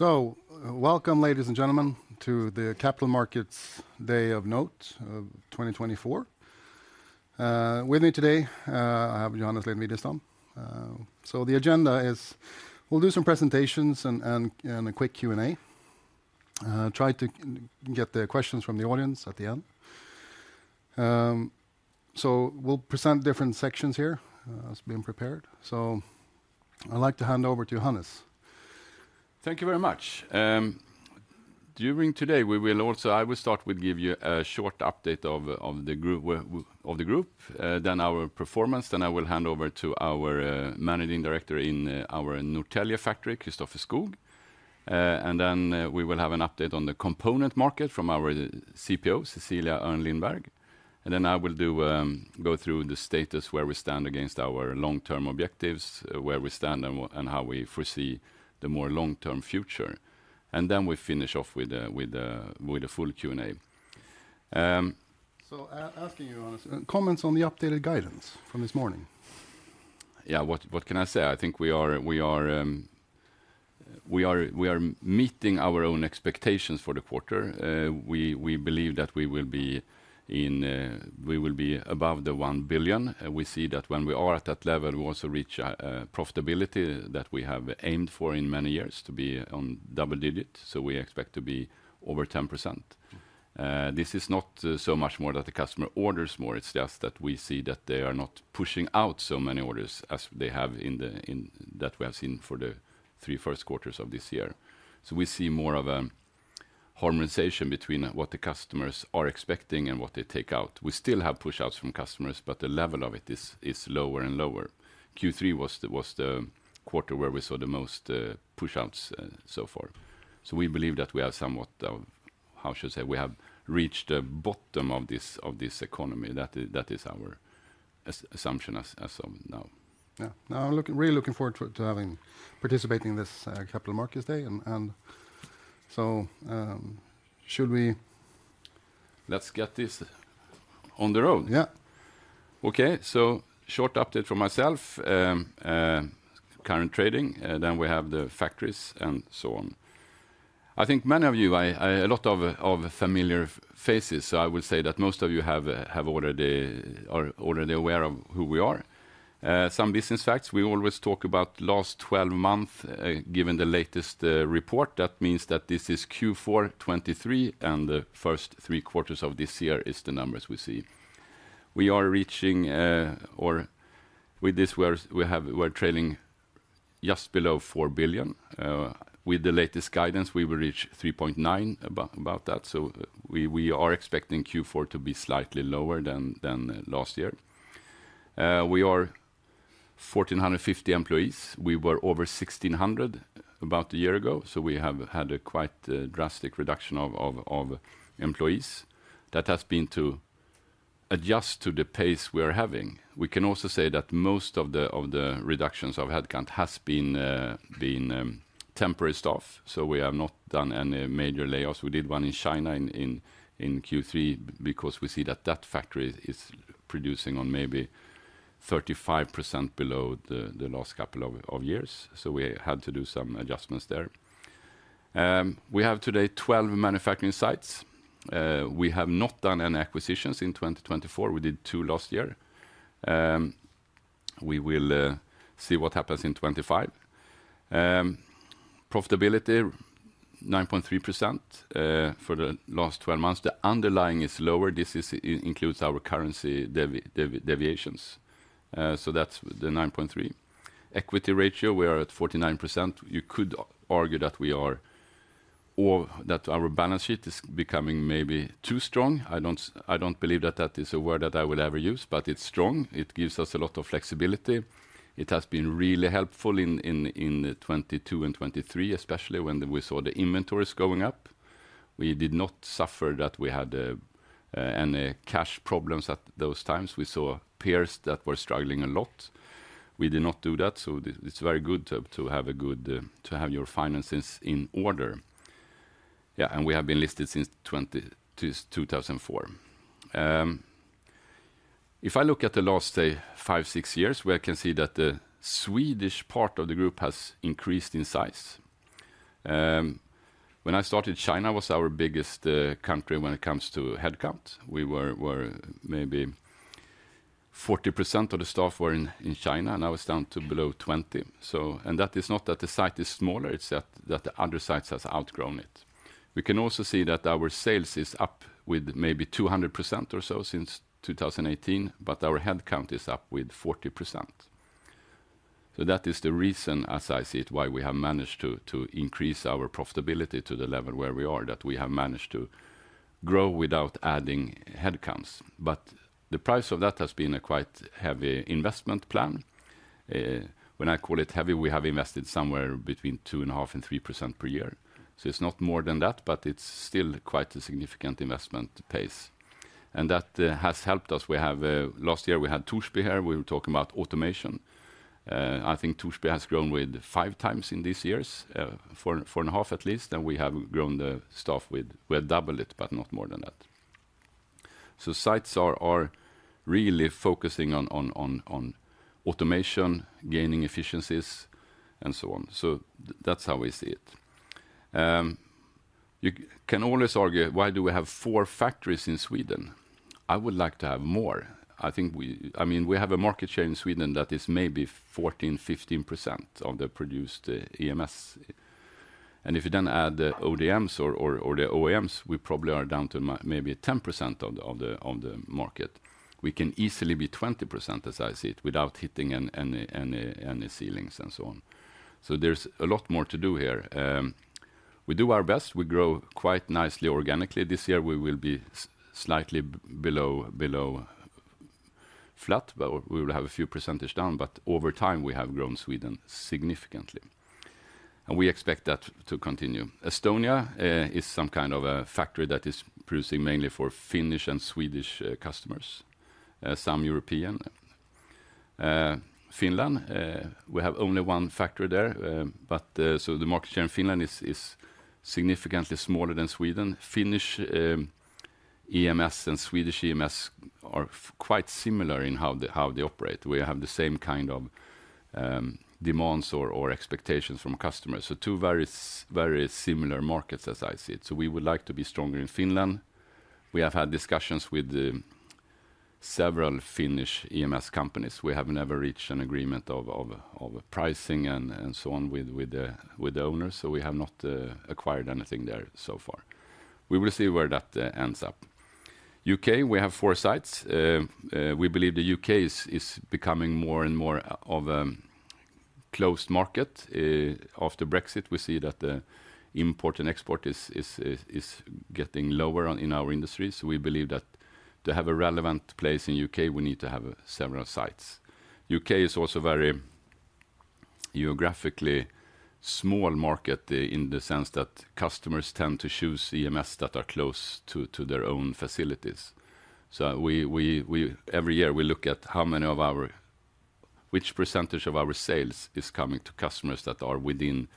Welcome, ladies and gentlemen, to the Capital Markets Day of NOTE of 2024. With me today, I have Johannes Lind-Widestam. The agenda is we'll do some presentations and a quick Q&A. Try to get the questions from the audience at the end. We'll present different sections here. That's been prepared. I'd like to hand over to Johannes. Thank you very much. During today, I will start with give you a short update of the group, then our performance, then I will hand over to our Managing Director in our Norrtälje factory, Christoffer Skogh. Then we will have an update on the component market from our CPO, Cecilia Örn Lindberg. Then I will go through the status where we stand against our long-term objectives, where we stand, and how we foresee the more long-term future. We finish off with a full Q&A. Asking you, Johannes, comments on the updated guidance from this morning? Yeah, what can I say? I think we are meeting our own expectations for the quarter. We believe that we will be above 1 billion. We see that when we are at that level, we also reach profitability that we have aimed for in many years to be on double digits. So we expect to be over 10%. This is not so much more that the customer orders more. It's just that we see that they are not pushing out so many orders as they have in that we have seen for the three first quarters of this year. So we see more of a harmonization between what the customers are expecting and what they take out. We still have push-outs from customers, but the level of it is lower and lower. Q3 was the quarter where we saw the most push-outs so far. So we believe that we have somewhat, how should I say, we have reached the bottom of this economy. That is our assumption as of now. Yeah. Now, really looking forward to participating in this Capital Markets Day, and so should we. Let's get this on the road. Yeah. Okay. So short update from myself, current trading, then we have the factories and so on. I think many of you, a lot of familiar faces, so I will say that most of you are already aware of who we are. Some business facts. We always talk about last 12 months, given the latest report. That means that this is Q4 2023, and the first three quarters of this year is the numbers we see. We are reaching, or with this, we're trailing just below 4 billion. With the latest guidance, we will reach 3.9 billion, about that. So we are expecting Q4 to be slightly lower than last year. We are 1,450 employees. We were over 1,600 about a year ago. So we have had a quite drastic reduction of employees. That has been to adjust to the pace we are having. We can also say that most of the reductions of headcount have been temporary stuff. So we have not done any major layoffs. We did one in China in Q3 because we see that that factory is producing on maybe 35% below the last couple of years. So we had to do some adjustments there. We have today 12 manufacturing sites. We have not done any acquisitions in 2024. We did two last year. We will see what happens in 2025. Profitability, 9.3% for the last 12 months. The underlying is lower. This includes our currency deviations. So that's the 9.3. Equity ratio, we are at 49%. You could argue that our balance sheet is becoming maybe too strong. I don't believe that that is a word that I would ever use, but it's strong. It gives us a lot of flexibility. It has been really helpful in 2022 and 2023, especially when we saw the inventories going up. We did not suffer that we had any cash problems at those times. We saw peers that were struggling a lot. We did not do that, so it's very good to have your finances in order. Yeah, and we have been listed since 2004. If I look at the last, say, five, six years, we can see that the Swedish part of the group has increased in size. When I started, China was our biggest country when it comes to headcount. We were maybe 40% of the staff were in China, and it's down to below 20%. And that is not that the site is smaller. It's that the other sites have outgrown it. We can also see that our sales is up with maybe 200% or so since 2018, but our headcount is up with 40%. So that is the reason, as I see it, why we have managed to increase our profitability to the level where we are, that we have managed to grow without adding headcounts. But the price of that has been a quite heavy investment plan. When I call it heavy, we have invested somewhere between 2.5% and 3% per year. So it's not more than that, but it's still quite a significant investment pace. And that has helped us. Last year, we had Torsby here. We were talking about automation. I think Torsby has grown with five times in these years, four and a half at least. And we have grown the staff with double it, but not more than that. Sites are really focusing on automation, gaining efficiencies, and so on. That's how we see it. You can always argue, why do we have four factories in Sweden? I would like to have more. I think, I mean, we have a market share in Sweden that is maybe 14%, 15% of the produced EMS. And if you then add the ODMs or the OEMs, we probably are down to maybe 10% of the market. We can easily be 20%, as I see it, without hitting any ceilings and so on. There's a lot more to do here. We do our best. We grow quite nicely organically. This year, we will be slightly below flat, but we will have a few percentage down. But over time, we have grown Sweden significantly. And we expect that to continue. Estonia is some kind of a factory that is producing mainly for Finnish and Swedish customers, some European. Finland, we have only one factory there. But so the market share in Finland is significantly smaller than Sweden. Finnish EMS and Swedish EMS are quite similar in how they operate. We have the same kind of demands or expectations from customers. So two very similar markets, as I see it. So we would like to be stronger in Finland. We have had discussions with several Finnish EMS companies. We have never reached an agreement of pricing and so on with the owners. So we have not acquired anything there so far. We will see where that ends up. UK, we have four sites. We believe the UK is becoming more and more of a closed market. After Brexit, we see that the import and export is getting lower in our industry. We believe that to have a relevant place in the UK, we need to have several sites. The UK is also a very geographically small market in the sense that customers tend to choose EMS that are close to their own facilities. Every year, we look at what percentage of our sales is coming to customers that are within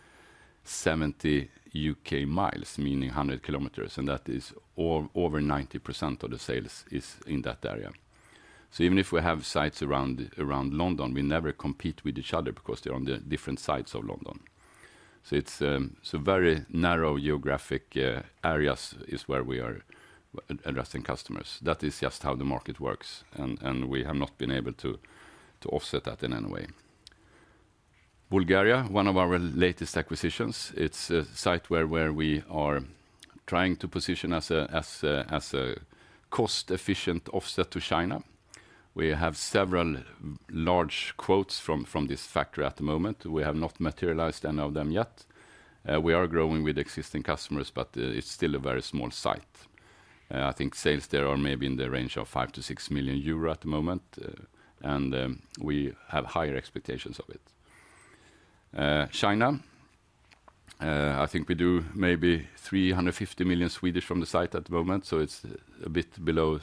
70 UK miles, meaning 100 km. And that is over 90% of the sales in that area. Even if we have sites around London, we never compete with each other because they are on different sides of London. It's very narrow geographic areas where we are addressing customers. That is just how the market works. We have not been able to offset that in any way. Bulgaria, one of our latest acquisitions. It's a site where we are trying to position as a cost-efficient offset to China. We have several large quotes from this factory at the moment. We have not materialized any of them yet. We are growing with existing customers, but it's still a very small site. I think sales there are maybe in the range of 5 million-6 million euro at the moment. We have higher expectations of it. China, I think we do maybe 350 million from the site at the moment. It's a bit below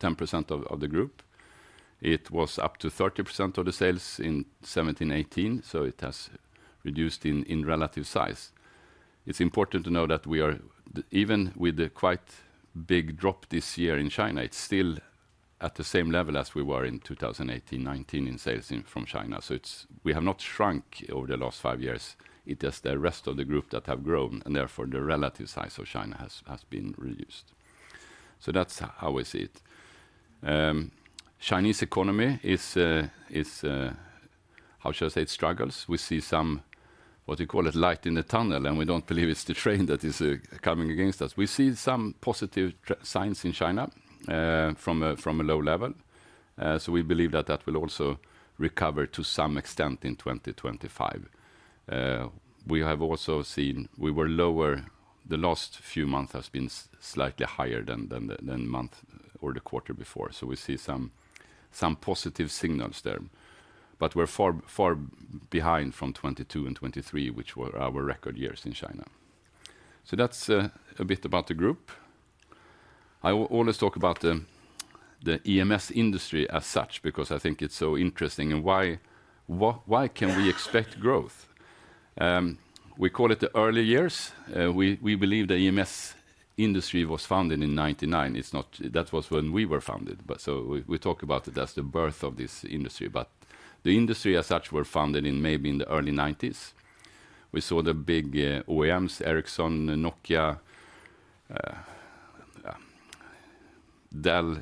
10% of the group. It was up to 30% of the sales in 2017, 2018. It has reduced in relative size. It's important to know that we are, even with the quite big drop this year in China, it's still at the same level as we were in 2018, 2019 in sales from China. So we have not shrunk over the last five years. It is the rest of the group that have grown. And therefore, the relative size of China has been reduced. So that's how I see it. Chinese economy is, how should I say, it struggles. We see some, what you call it, light in the tunnel. And we don't believe it's the train that is coming against us. We see some positive signs in China from a low level. So we believe that that will also recover to some extent in 2025. We have also seen we were lower. The last few months have been slightly higher than the month or the quarter before. So we see some positive signals there. But we're far behind from 2022 and 2023, which were our record years in China. So that's a bit about the group. I always talk about the EMS industry as such because I think it's so interesting. And why can we expect growth? We call it the early years. We believe the EMS industry was founded in 1999. That was when we were founded. So we talk about it as the birth of this industry. But the industry as such was founded in maybe in the early 1990s. We saw the big OEMs, Ericsson, Nokia, Dell,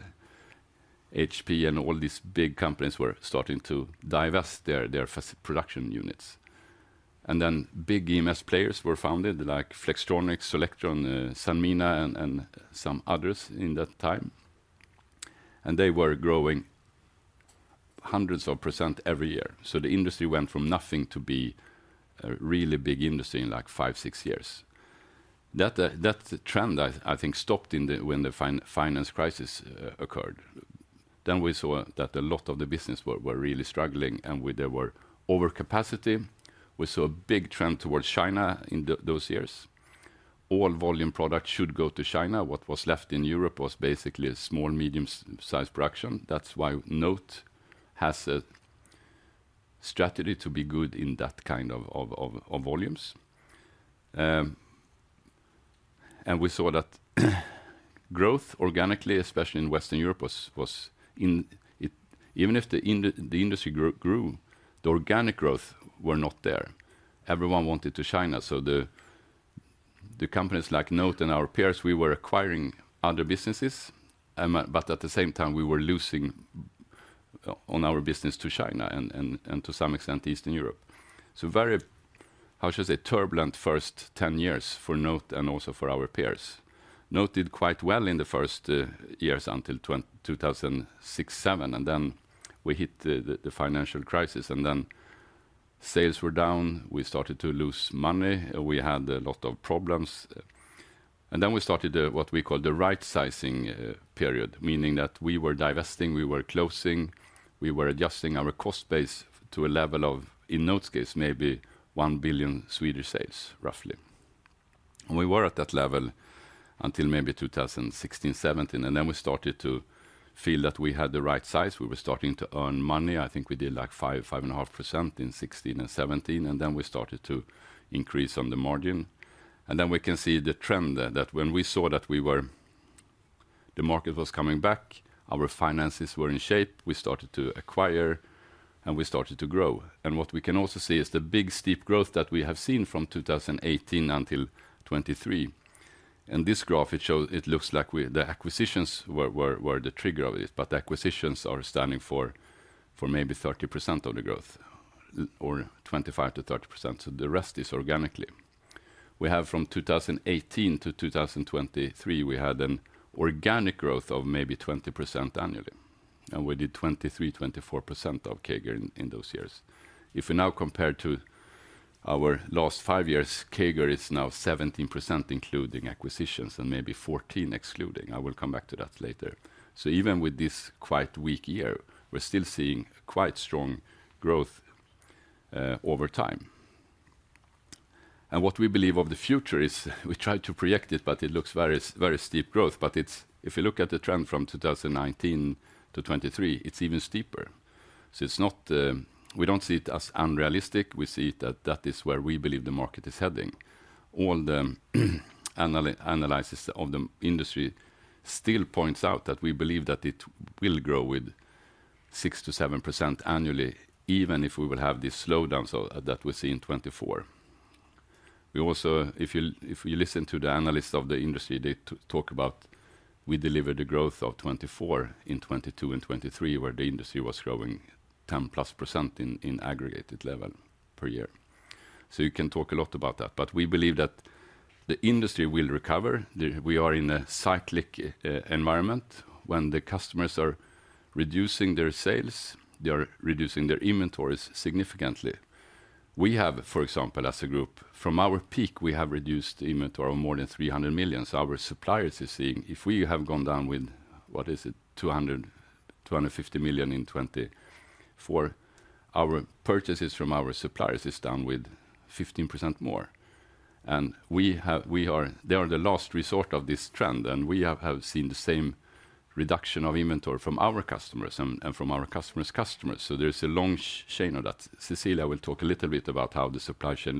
HP, and all these big companies were starting to divest their production units. And then big EMS players were founded like Flextronics, Solectron, Sanmina, and some others in that time. And they were growing hundreds of percent every year. So the industry went from nothing to be a really big industry in like five, six years. That trend, I think, stopped when the financial crisis occurred. Then we saw that a lot of the business were really struggling. And there were overcapacity. We saw a big trend towards China in those years. All volume products should go to China. What was left in Europe was basically small, medium-sized production. That's why NOTE has a strategy to be good in that kind of volumes. And we saw that growth organically, especially in Western Europe, was even if the industry grew, the organic growth was not there. Everyone wanted to China. So the companies like NOTE and our peers, we were acquiring other businesses. But at the same time, we were losing on our business to China and to some extent Eastern Europe. So very, how should I say, turbulent first 10 years for NOTE and also for our peers. NOTE did quite well in the first years until 2006, 2007. And then we hit the financial crisis. Sales were down. We started to lose money. We had a lot of problems. We started what we call the right-sizing period, meaning that we were divesting, we were closing, we were adjusting our cost base to a level of, in NOTE's case, maybe 1 billion sales, roughly. We were at that level until maybe 2016, 2017. We started to feel that we had the right size. We were starting to earn money. I think we did like 5%-5.5% in 2016 and 2017. We started to increase on the margin. We can see the trend that when we saw that the market was coming back, our finances were in shape, we started to acquire, and we started to grow. And what we can also see is the big steep growth that we have seen from 2018 until 2023. And this graph, it looks like the acquisitions were the trigger of it. But acquisitions are standing for maybe 30% of the growth or 25%-30%. So the rest is organically. We have from 2018 to 2023, we had an organic growth of maybe 20% annually. And we did 23-24% CAGR in those years. If we now compare to our last five years, CAGR is now 17% including acquisitions and maybe 14% excluding. I will come back to that later. So even with this quite weak year, we're still seeing quite strong growth over time. And what we believe of the future is we try to project it, but it looks very steep growth. But if you look at the trend from 2019-2023, it's even steeper. So we don't see it as unrealistic. We see that that is where we believe the market is heading. All the analysis of the industry still points out that we believe that it will grow with 6%-7% annually, even if we will have these slowdowns that we see in 2024. We also, if you listen to the analysts of the industry, they talk about we delivered the growth of 2024 in 2022 and 2023, where the industry was growing 10-plus% in aggregated level per year. So you can talk a lot about that. But we believe that the industry will recover. We are in a cyclic environment. When the customers are reducing their sales, they are reducing their inventories significantly. We have, for example, as a group, from our peak, we have reduced the inventory of more than 300 million. So, our suppliers are seeing if we have gone down with—what is it?—SEK 200 million-SEK 250 million in 2024, our purchases from our suppliers are down with 15% more. And they are the last resort of this trend. And we have seen the same reduction of inventory from our customers and from our customers' customers. So there's a long chain of that. Cecilia will talk a little bit about how the supply chain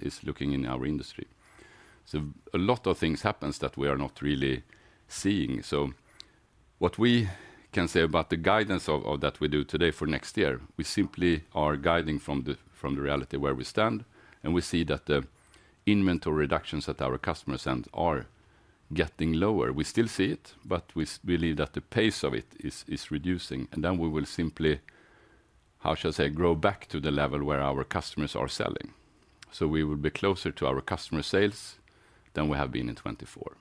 is looking in our industry. So a lot of things happen that we are not really seeing. So what we can say about the guidance that we do today for next year, we simply are guiding from the reality where we stand. And we see that the inventory reductions at our customers' end are getting lower. We still see it, but we believe that the pace of it is reducing. And then we will simply, how should I say, grow back to the level where our customers are selling. So we will be closer to our customer sales than we have been in 2024.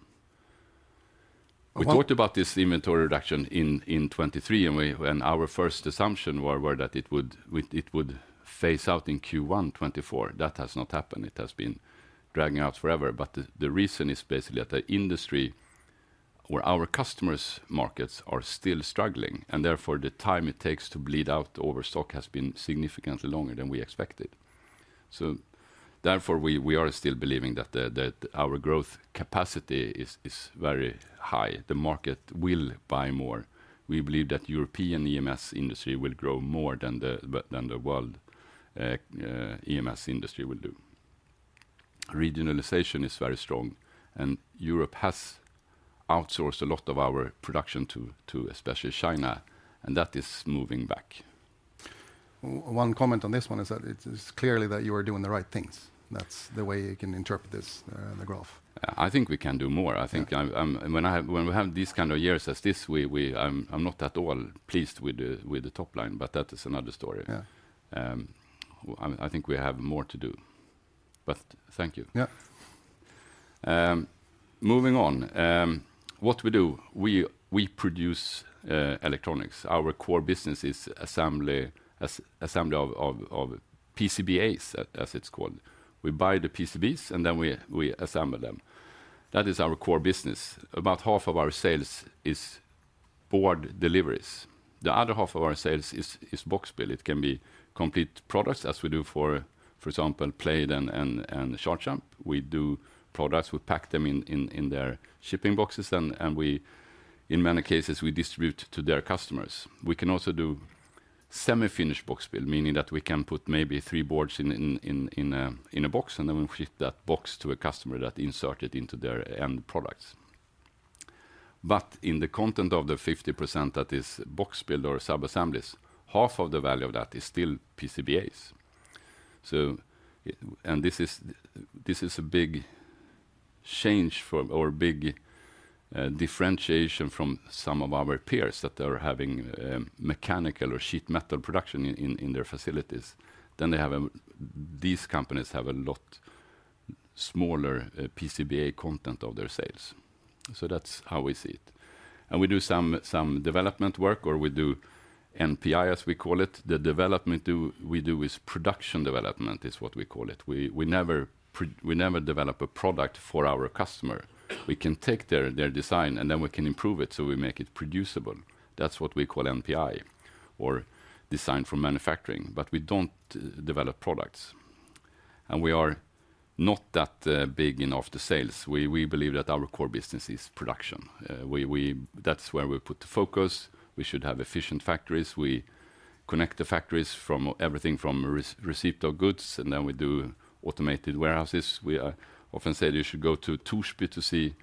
We talked about this inventory reduction in 2023. And our first assumption was that it would phase out in Q1 2024. That has not happened. It has been dragging out forever. But the reason is basically that the industry or our customers' markets are still struggling. And therefore, the time it takes to bleed out overstock has been significantly longer than we expected. So therefore, we are still believing that our growth capacity is very high. The market will buy more. We believe that European EMS industry will grow more than the world EMS industry will do. Regionalization is very strong. And Europe has outsourced a lot of our production to especially China. That is moving back. One comment on this one is that it is clearly that you are doing the right things. That's the way you can interpret this graph. I think we can do more. I think when we have these kind of years as this, I'm not at all pleased with the top line. That is another story. I think we have more to do. Thank you. Yeah. Moving on. What we do, we produce electronics. Our core business is assembly of PCBAs, as it's called. We buy the PCBs, and then we assemble them. That is our core business. About half of our sales is board deliveries. The other half of our sales is box build. It can be complete products as we do for example, Plejd and Charge Amps. We do products. We pack them in their shipping boxes. And in many cases, we distribute to their customers. We can also do semi-finished box build, meaning that we can put maybe three boards in a box. And then we ship that box to a customer that insert it into their end products. But in the context of the 50% that is box build or sub-assemblies, half of the value of that is still PCBAs. And this is a big change or big differentiation from some of our peers that are having mechanical or sheet metal production in their facilities. Then these companies have a lot smaller PCBA content of their sales. So that's how we see it. And we do some development work or we do NPI, as we call it. The development we do is production development is what we call it. We never develop a product for our customer. We can take their design, and then we can improve it. So we make it producible. That's what we call NPI or design for manufacturing. But we don't develop products. And we are not that big in off-the-shelf. We believe that our core business is production. That's where we put the focus. We should have efficient factories. We connect the factories from everything from receipt of goods. And then we do automated warehouses. We often say you should go to Torsby to see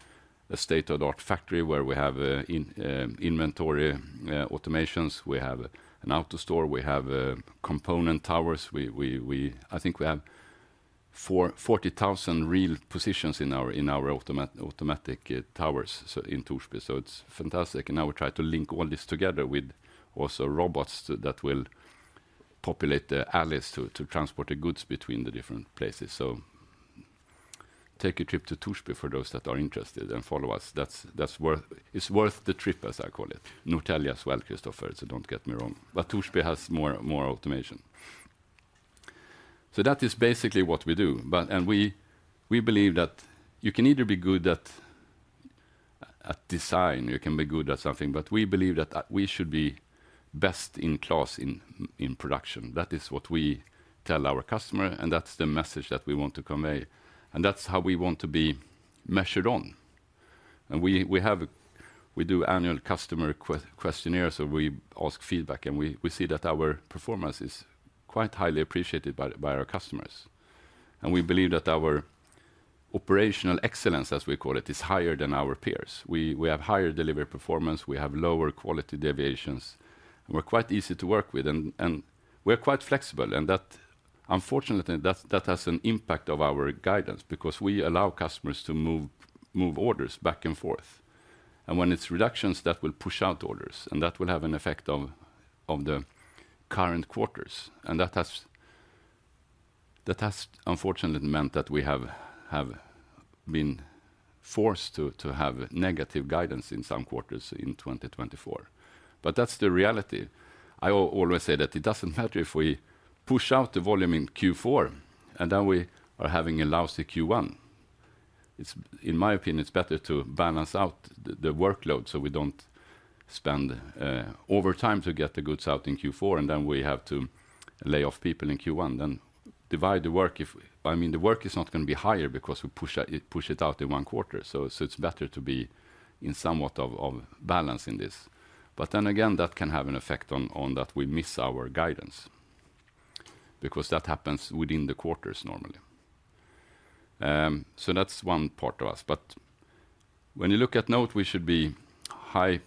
a state-of-the-art factory where we have inventory automations. We have an AutoStore. We have component towers. I think we have 40,000 reel positions in our automatic towers in Torsby. So it's fantastic. And now we try to link all this together with also robots that will populate the alleys to transport the goods between the different places. So take a trip to Torsby for those that are interested and follow us. It's worth the trip, as I call it. Norrtälje as well, Christoffer, so don't get me wrong. But Torsby has more automation. So that is basically what we do. And we believe that you can either be good at design, you can be good at something. But we believe that we should be best in class in production. That is what we tell our customer. And that's the message that we want to convey. And that's how we want to be measured on. And we do annual customer questionnaires. So we ask feedback. And we see that our performance is quite highly appreciated by our customers. And we believe that our operational excellence, as we call it, is higher than our peers. We have higher delivery performance. We have lower quality deviations. We're quite easy to work with. We're quite flexible. Unfortunately, that has an impact on our guidance because we allow customers to move orders back and forth. When it's reductions, that will push out orders. That will have an effect on the current quarters. That has, unfortunately, meant that we have been forced to have negative guidance in some quarters in 2024. That's the reality. I always say that it doesn't matter if we push out the volume in Q4 and then we are having a lousy Q1. In my opinion, it's better to balance out the workload so we don't spend overtime to get the goods out in Q4. Then we have to lay off people in Q1. Then divide the work. I mean, the work is not going to be higher because we push it out in one quarter. It's better to be in somewhat of balance in this. But then again, that can have an effect on that we miss our guidance because that happens within the quarters normally. That's one part of us. But when you look at NOTE, we should be high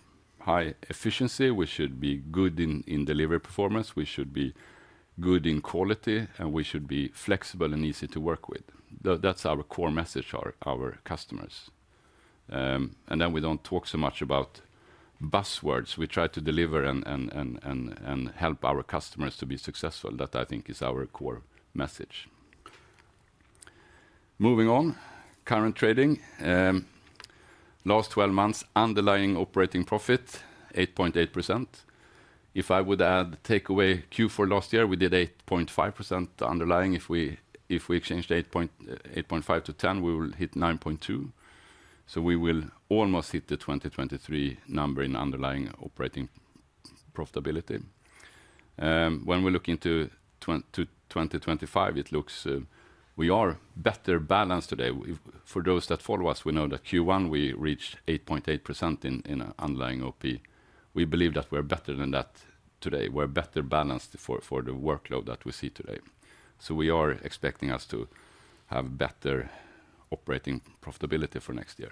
efficiency. We should be good in delivery performance. We should be good in quality. We should be flexible and easy to work with. That's our core message to our customers. We don't talk so much about buzzwords. We try to deliver and help our customers to be successful. That I think is our core message. Moving on, current trading. Last 12 months, underlying operating profit, 8.8%. If I would add takeaway Q4 last year, we did 8.5% underlying. If we exchanged 8.5%-10%, we will hit 9.2%. So we will almost hit the 2023 number in underlying operating profitability. When we look into 2025, it looks we are better balanced today. For those that follow us, we know that Q1 we reached 8.8% in underlying OP. We believe that we're better than that today. We're better balanced for the workload that we see today. So we are expecting us to have better operating profitability for next year.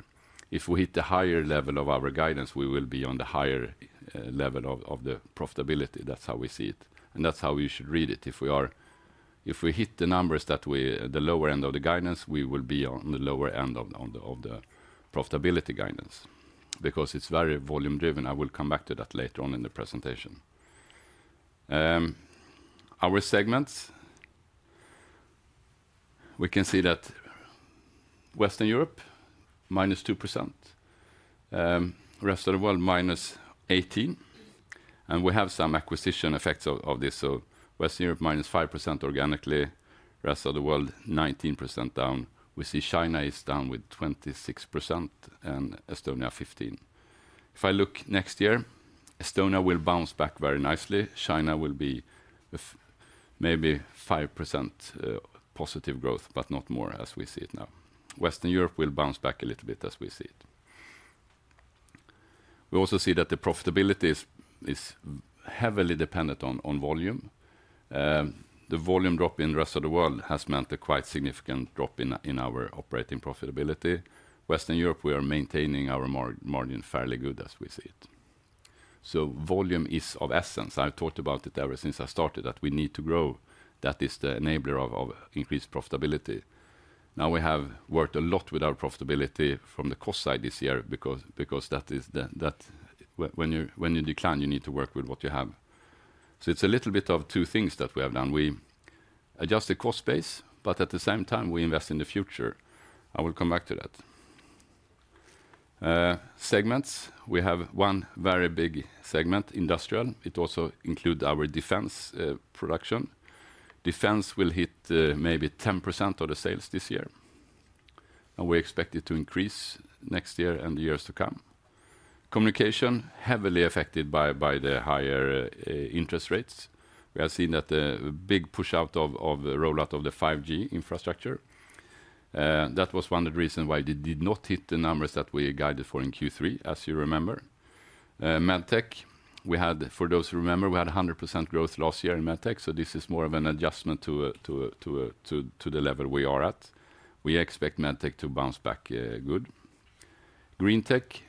If we hit the higher level of our guidance, we will be on the higher level of the profitability. That's how we see it. And that's how we should read it. If we hit the numbers at the lower end of the guidance, we will be on the lower end of the profitability guidance because it's very volume-driven. I will come back to that later on in the presentation. Our segments, we can see that Western Europe -2%. Rest of the world -18%. And we have some acquisition effects of this. So Western Europe -5% organically. Rest of the world 19% down. We see China is down with 26% and Estonia 15%. If I look next year, Estonia will bounce back very nicely. China will be maybe 5% positive growth, but not more as we see it now. Western Europe will bounce back a little bit as we see it. We also see that the profitability is heavily dependent on volume. The volume drop in the rest of the world has meant a quite significant drop in our operating profitability. Western Europe, we are maintaining our margin fairly good as we see it. So volume is of essence. I've talked about it ever since I started that we need to grow. That is the enabler of increased profitability. Now we have worked a lot with our profitability from the cost side this year because when you decline, you need to work with what you have. So it's a little bit of two things that we have done. We adjust the cost base, but at the same time, we invest in the future. I will come back to that. Segments, we have one very big segment, Industrial. It also includes our defense production. Defense will hit maybe 10% of the sales this year. And we expect it to increase next year and the years to come. Communication, heavily affected by the higher interest rates. We have seen that the big push-out of the rollout of the 5G infrastructure. That was one of the reasons why it did not hit the numbers that we guided for in Q3, as you remember. medtech, for those who remember, we had 100% growth last year in medtech. So this is more of an adjustment to the level we are at. We expect medtech to bounce back good. Greentech,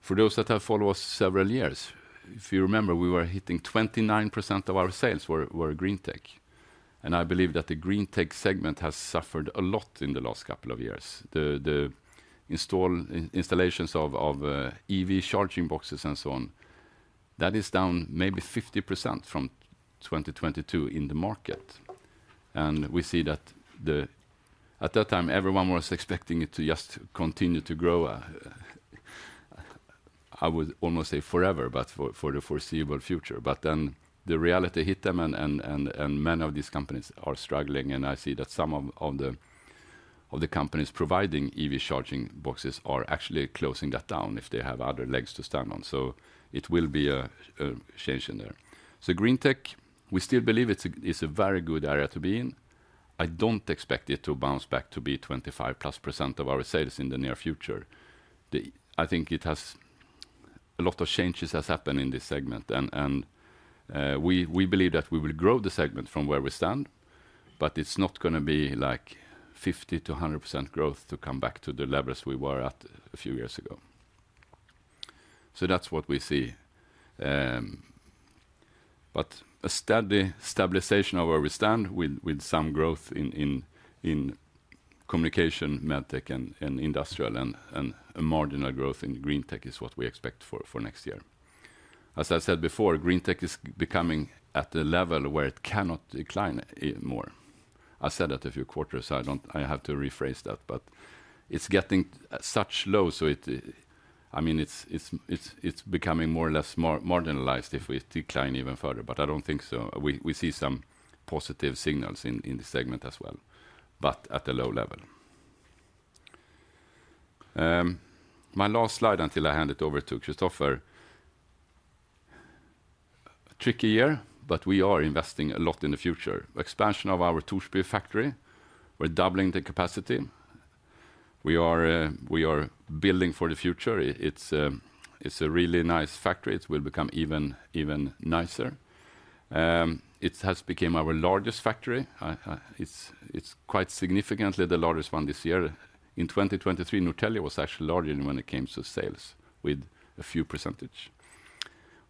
for those that have followed us several years, if you remember, we were hitting 29% of our sales were Greentech, and I believe that the Greentech segment has suffered a lot in the last couple of years. The installations of EV charging boxes and so on, that is down maybe 50% from 2022 in the market, and we see that at that time, everyone was expecting it to just continue to grow, I would almost say forever, but for the foreseeable future, but then the reality hit them, and many of these companies are struggling. I see that some of the companies providing EV charging boxes are actually closing that down if they have other legs to stand on. So it will be a change in there. So Greentech, we still believe it's a very good area to be in. I don't expect it to bounce back to be 25% plus of our sales in the near future. I think a lot of changes have happened in this segment. And we believe that we will grow the segment from where we stand. But it's not going to be like 50%-100% growth to come back to the levels we were at a few years ago. So that's what we see. But a steady stabilization of where we stand with some growth in communication, medtech and Industrial, and marginal growth in Greentech is what we expect for next year. As I said before, Greentech is becoming at a level where it cannot decline more. I said that a few quarters. I have to rephrase that, but it's getting such low. I mean, it's becoming more or less marginalized if we decline even further. I don't think so. We see some positive signals in the segment as well, but at a low level. My last slide until I hand it over to Christoffer. Tricky year, but we are investing a lot in the future. Expansion of our Torsby factory. We're doubling the capacity. We are building for the future. It's a really nice factory. It will become even nicer. It has become our largest factory. It's quite significantly the largest one this year. In 2023, Norrtälje was actually larger than when it came to sales with a few percentage.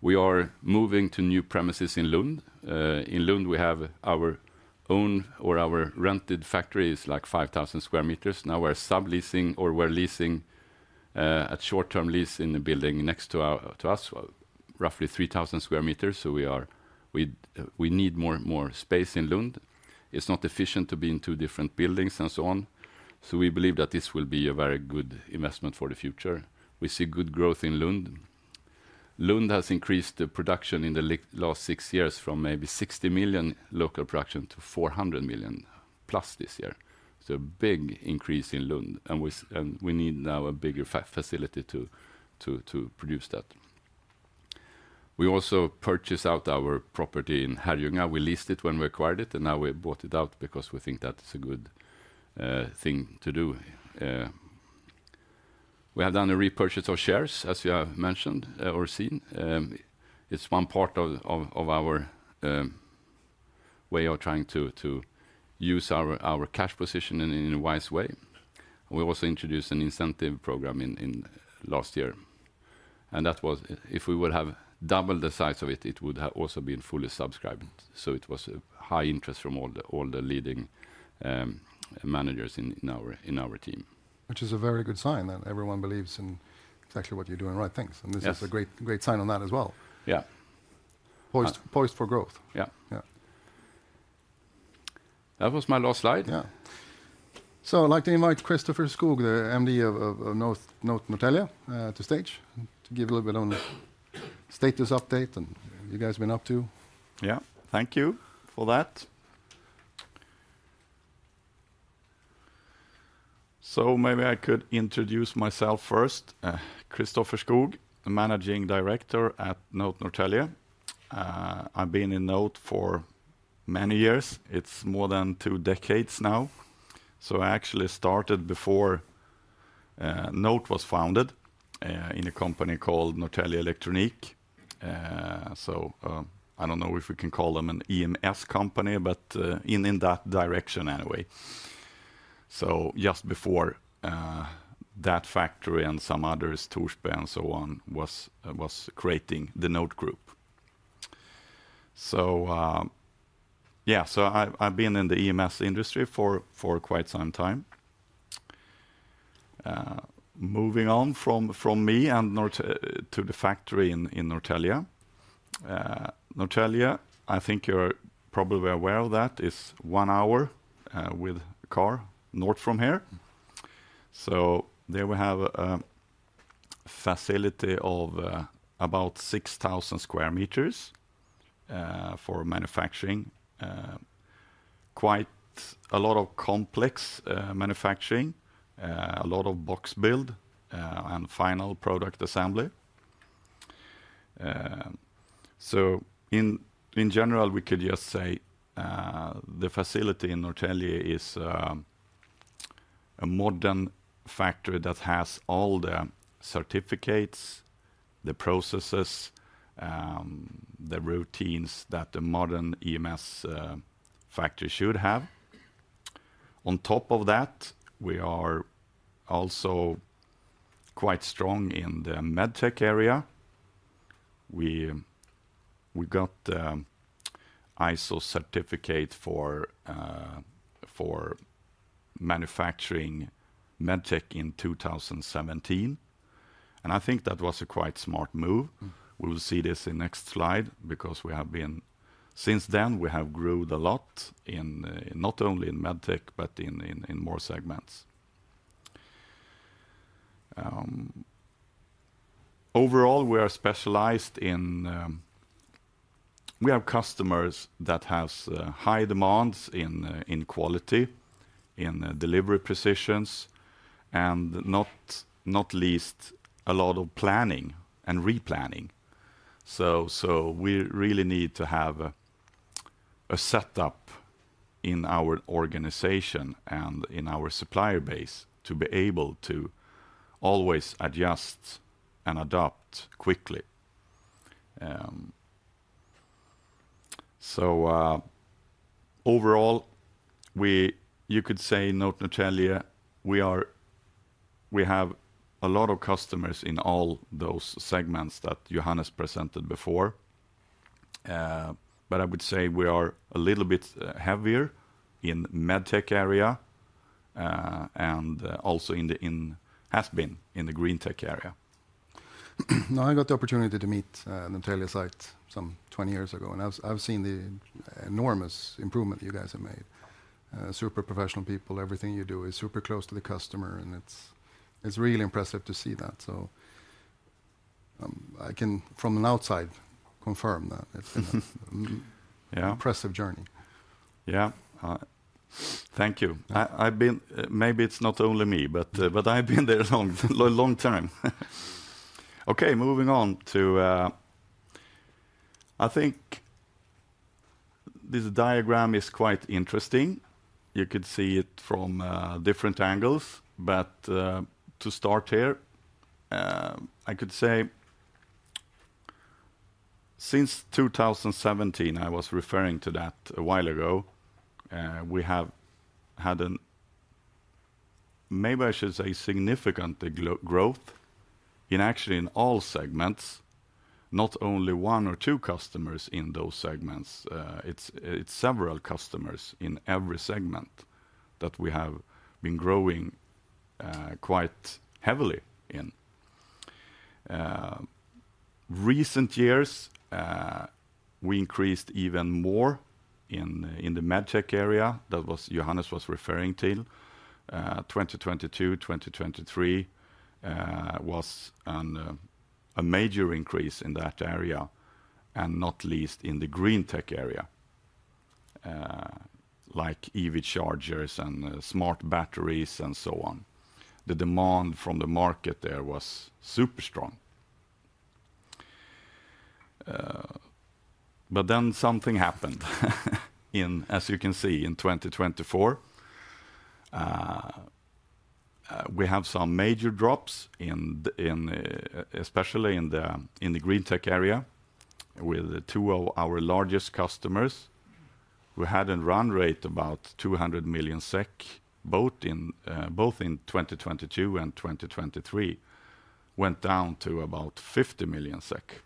We are moving to new premises in Lund. In Lund, we have our own or our rented factory is like 5,000 square meters. Now we're subleasing or we're leasing at short-term lease in a building next to us, roughly 3,000 square meters, so we need more space in Lund. It's not efficient to be in two different buildings and so on, so we believe that this will be a very good investment for the future. We see good growth in Lund. Lund has increased production in the last six years from maybe 60 million local production to 400 million plus this year, so a big increase in Lund and we need now a bigger facility to produce that. We also bought out our property in Herrljunga. We leased it when we acquired it and now we bought it out because we think that's a good thing to do. We have done a repurchase of shares, as you have mentioned or seen. It's one part of our way of trying to use our cash position in a wise way. We also introduced an incentive program last year. And if we would have doubled the size of it, it would have also been fully subscribed. So it was high interest from all the leading managers in our team. Which is a very good sign that everyone believes in exactly what you're doing the right things. And this is a great sign on that as well. Yeah. Poised for growth. Yeah. That was my last slide. Yeah. So I'd like to invite Christoffer Skogh, the MD of NOTE Norrtälje, to the stage to give a little bit on status update and what you guys have been up to. Yeah. Thank you for that. So maybe I could introduce myself first. Christoffer Skogh, Managing Director at NOTE Norrtälje. I've been in NOTE for many years. It's more than two decades now. So I actually started before NOTE was founded in a company called NOTE Norrtälje Elektronik. So I don't know if we can call them an EMS company, but in that direction anyway. So just before that factory and some others, NOTE Torsby and so on, was creating the NOTE group. So yeah, so I've been in the EMS industry for quite some time. Moving on from me and to the factory in NOTE Norrtälje. NOTE Norrtälje, I think you're probably aware of that, is one hour with a car north from here. So there we have a facility of about 6,000 square meters for manufacturing. Quite a lot of complex manufacturing, a lot of box build and final product assembly. In general, we could just say the facility in Norrtälje is a modern factory that has all the certificates, the processes, the routines that the modern EMS factory should have. On top of that, we are also quite strong in the medtech area. We got the ISO certificate for manufacturing medtech in 2017. And I think that was a quite smart move. We will see this in the next slide because since then, we have grown a lot, not only in medtech, but in more segments. Overall, we are specialized in we have customers that have high demands in quality, in delivery positions, and not least a lot of planning and replanning. So we really need to have a setup in our organization and in our supplier base to be able to always adjust and adapt quickly. So overall, you could say NOTE Norrtälje. We have a lot of customers in all those segments that Johannes presented before. But I would say we are a little bit heavier in the medtech area and also in the has been in the Greentech area. Now I got the opportunity to meet NOTE Norrtälje site some 20 years ago. And I've seen the enormous improvement you guys have made. Super professional people. Everything you do is super close to the customer. And it's really impressive to see that. So I can, from the outside, confirm that it's an impressive journey. Yeah. Thank you. Maybe it's not only me, but I've been there a long time. Okay, moving on to I think this diagram is quite interesting. You could see it from different angles. But to start here, I could say since 2017, I was referring to that a while ago, we have had a, maybe I should say, significant growth in actually in all segments, not only one or two customers in those segments. It's several customers in every segment that we have been growing quite heavily in. Recent years, we increased even more in the medtech area that Johannes was referring to. 2022, 2023 was a major increase in that area, and not least in the Greentech area, like EV chargers and smart batteries and so on. The demand from the market there was super strong. But then something happened. As you can see, in 2024, we have some major drops, especially in the Greentech area with two of our largest customers. We had a run rate of about 200 million SEK both in 2022 and 2023, went down to about 50 million SEK.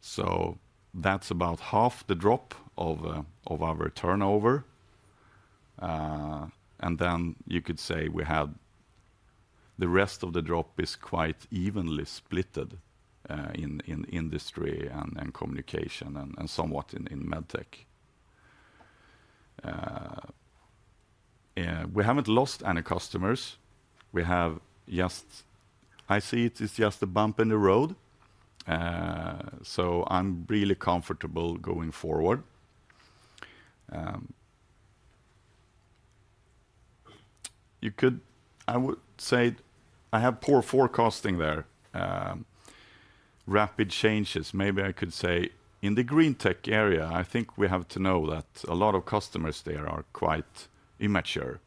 So that's about half the drop of our turnover. And then you could say we had the rest of the drop is quite evenly split in industry and communication and somewhat in medtech. We haven't lost any customers. I see it is just a bump in the road. So I'm really comfortable going forward. I would say I have poor forecasting there. Rapid changes. Maybe I could say in the Greentech area, I think we have to know that a lot of customers there are quite immature.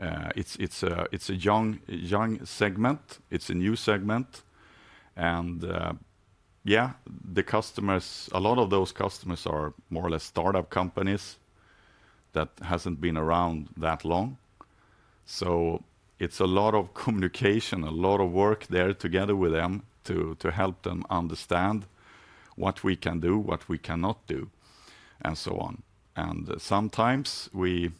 It's a young segment. It's a new segment. And yeah, a lot of those customers are more or less startup companies that haven't been around that long. So it's a lot of communication, a lot of work there together with them to help them understand what we can do, what we cannot do, and so on. And sometimes we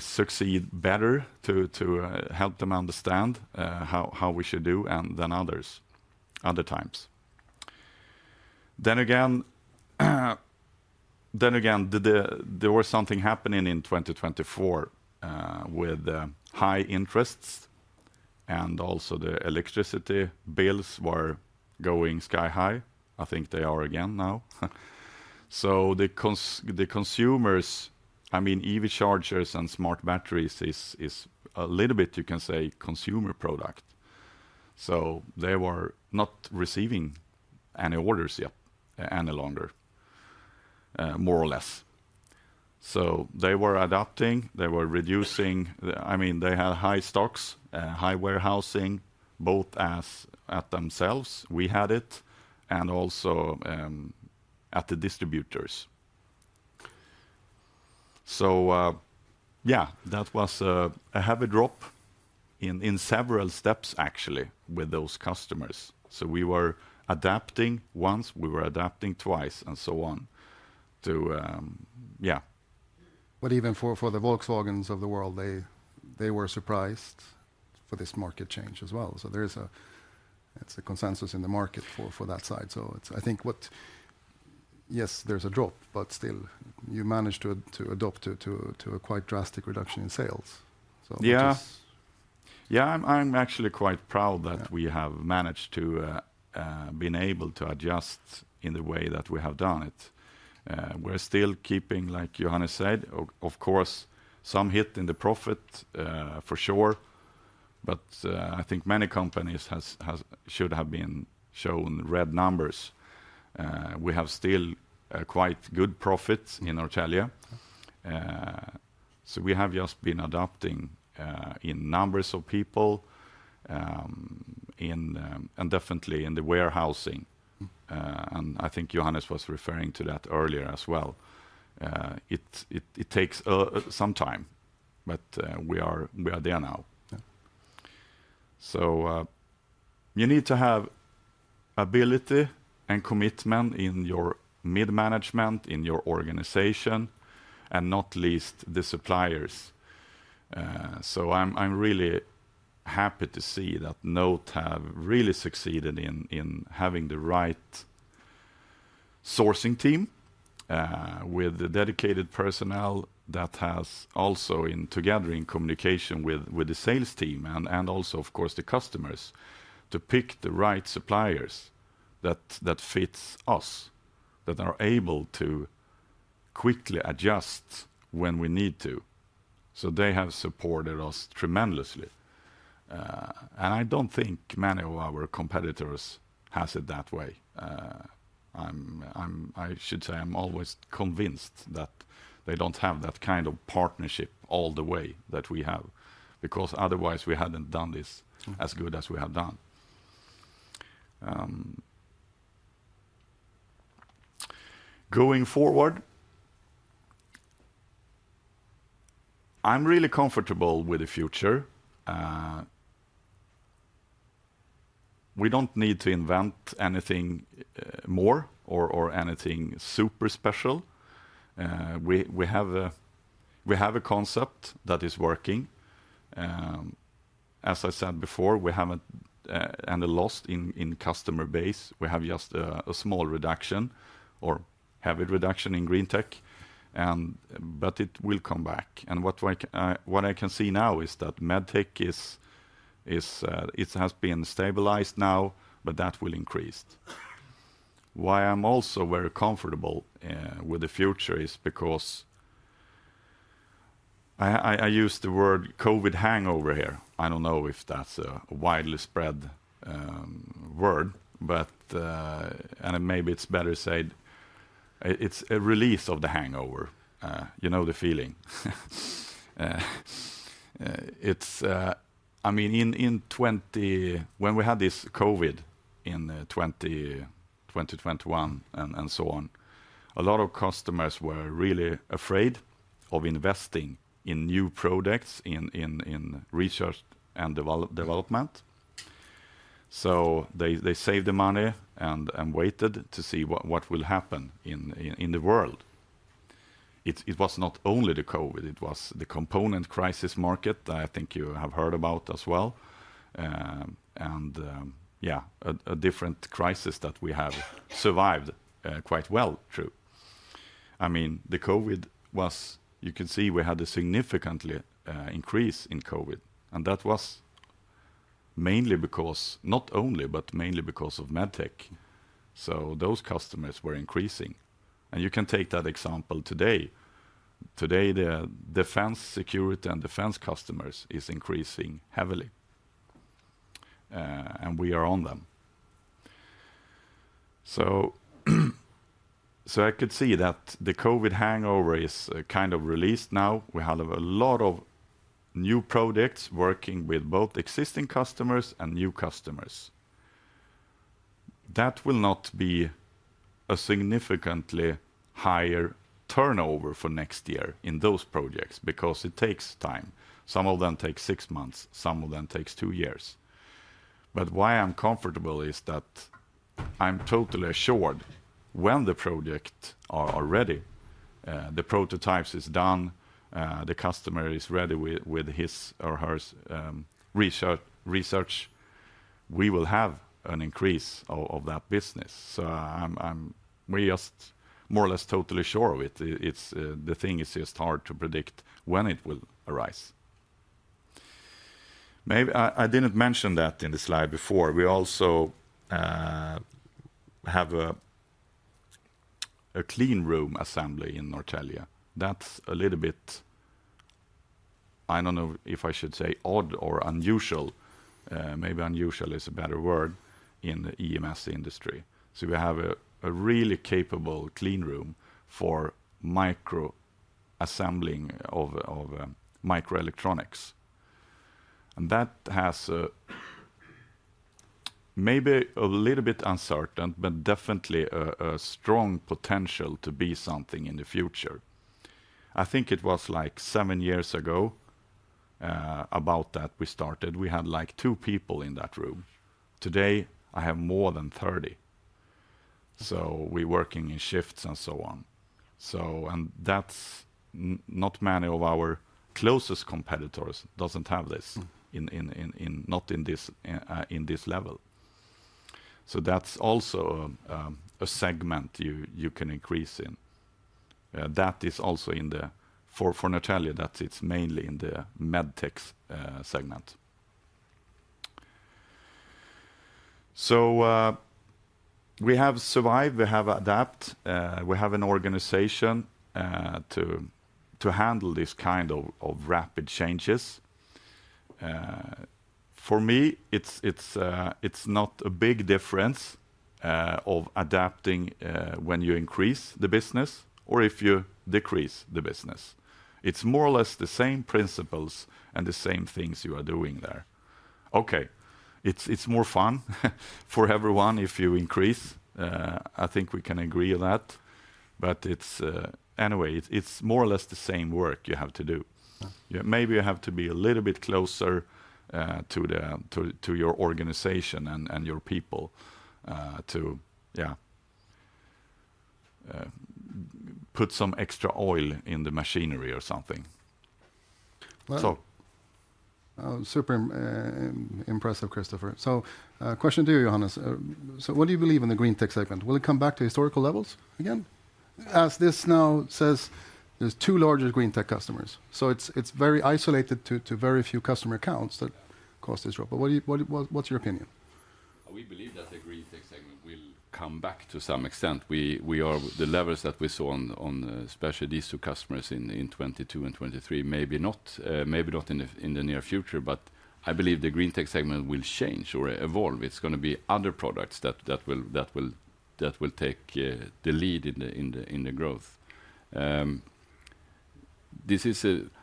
succeed better to help them understand how we should do than others other times. Then again, there was something happening in 2024 with high interests. And also the electricity bills were going sky high. I think they are again now. So the consumers, I mean, EV chargers and smart batteries is a little bit, you can say, consumer product. So they were not receiving any orders yet any longer, more or less. So they were adapting. They were reducing. I mean, they had high stocks, high warehousing, both at themselves, we had it, and also at the distributors. So yeah, that was a heavy drop in several steps, actually, with those customers. So we were adapting once. We were adapting twice and so on. Yeah. But even for the Volkswagens of the world, they were surprised for this market change as well. So it's a consensus in the market for that side. So I think, yes, there's a drop, but still, you managed to adapt to a quite drastic reduction in sales. So yes. Yeah, I'm actually quite proud that we have managed to been able to adjust in the way that we have done it. We're still keeping, like Johannes said, of course, some hit in the profit for sure. But I think many companies should have been shown red numbers. We have still quite good profits in NOTE Norrtälje. So we have just been adapting in numbers of people and definitely in the warehousing. And I think Johannes was referring to that earlier as well. It takes some time, but we are there now. You need to have ability and commitment in your mid-management, in your organization, and not least the suppliers. I'm really happy to see that NOTE has really succeeded in having the right sourcing team with the dedicated personnel that has also together in communication with the sales team and also, of course, the customers to pick the right suppliers that fit us, that are able to quickly adjust when we need to. They have supported us tremendously. I don't think many of our competitors have it that way. I should say I'm always convinced that they don't have that kind of partnership all the way that we have, because otherwise we hadn't done this as good as we have done. Going forward, I'm really comfortable with the future. We don't need to invent anything more or anything super special. We have a concept that is working. As I said before, we haven't any loss in customer base. We have just a small reduction or heavy reduction in Greentech But it will come back. What I can see now is that medtech has been stabilized now, but that will increase. Why I'm also very comfortable with the future is because I use the word COVID hangover here. I don't know if that's a widely spread word, but maybe it's better said it's a release of the hangover. You know the feeling. I mean, when we had this COVID in 2021 and so on, a lot of customers were really afraid of investing in new products in research and development. So they saved the money and waited to see what will happen in the world. It was not only the COVID. It was the component crisis market that I think you have heard about as well. Yeah, a different crisis that we have survived quite well, true. I mean, you can see we had a significant increase in COVID. That was mainly because, not only, but mainly because of medtech. Those customers were increasing. You can take that example today. Today, the defense security and defense customers is increasing heavily. We are on them. The COVID hangover is kind of released now. We have a lot of new products working with both existing customers and new customers. That will not be a significantly higher turnover for next year in those projects because it takes time. Some of them take six months. Some of them take two years. But why I'm comfortable is that I'm totally assured when the projects are ready, the prototypes are done, the customer is ready with his or her research, we will have an increase of that business. So we're just more or less totally sure of it. The thing is just hard to predict when it will arise. I didn't mention that in the slide before. We also have a clean room assembly in NOTE Norrtälje. That's a little bit, I don't know if I should say odd or unusual. Maybe unusual is a better word in the EMS industry. So we have a really capable clean room for micro assembling of microelectronics. And that has maybe a little bit uncertain, but definitely a strong potential to be something in the future. I think it was like seven years ago about that we started. We had like two people in that room. Today, I have more than 30. So we're working in shifts and so on. Not many of our closest competitors doesn't have this, not in this level. So that's also a segment you can increase in. That is also in the for NOTE Norrtälje, that it's mainly in the medtech segment. So we have survived. We have adapt. We have an organization to handle this kind of rapid changes. For me, it's not a big difference of adapting when you increase the business or if you decrease the business. It's more or less the same principles and the same things you are doing there. Okay. It's more fun for everyone if you increase. I think we can agree on that. Anyway, it's more or less the same work you have to do. Maybe you have to be a little bit closer to your organization and your people to, yeah, put some extra oil in the machinery or something. Wow. Super impressive, Christoffer. So question to you, Johannes. So what do you believe in the Greentech segment? Will it come back to historical levels again? As this now says, there's two larger Greentech customers. So it's very isolated to very few customer accounts that caused this drop. But what's your opinion? We believe that the Greentech segment will come back to some extent. The levels that we saw on especially these two customers in 2022 and 2023, maybe not in the near future, but I believe the Greentech segment will change or evolve. It's going to be other products that will take the lead in the growth.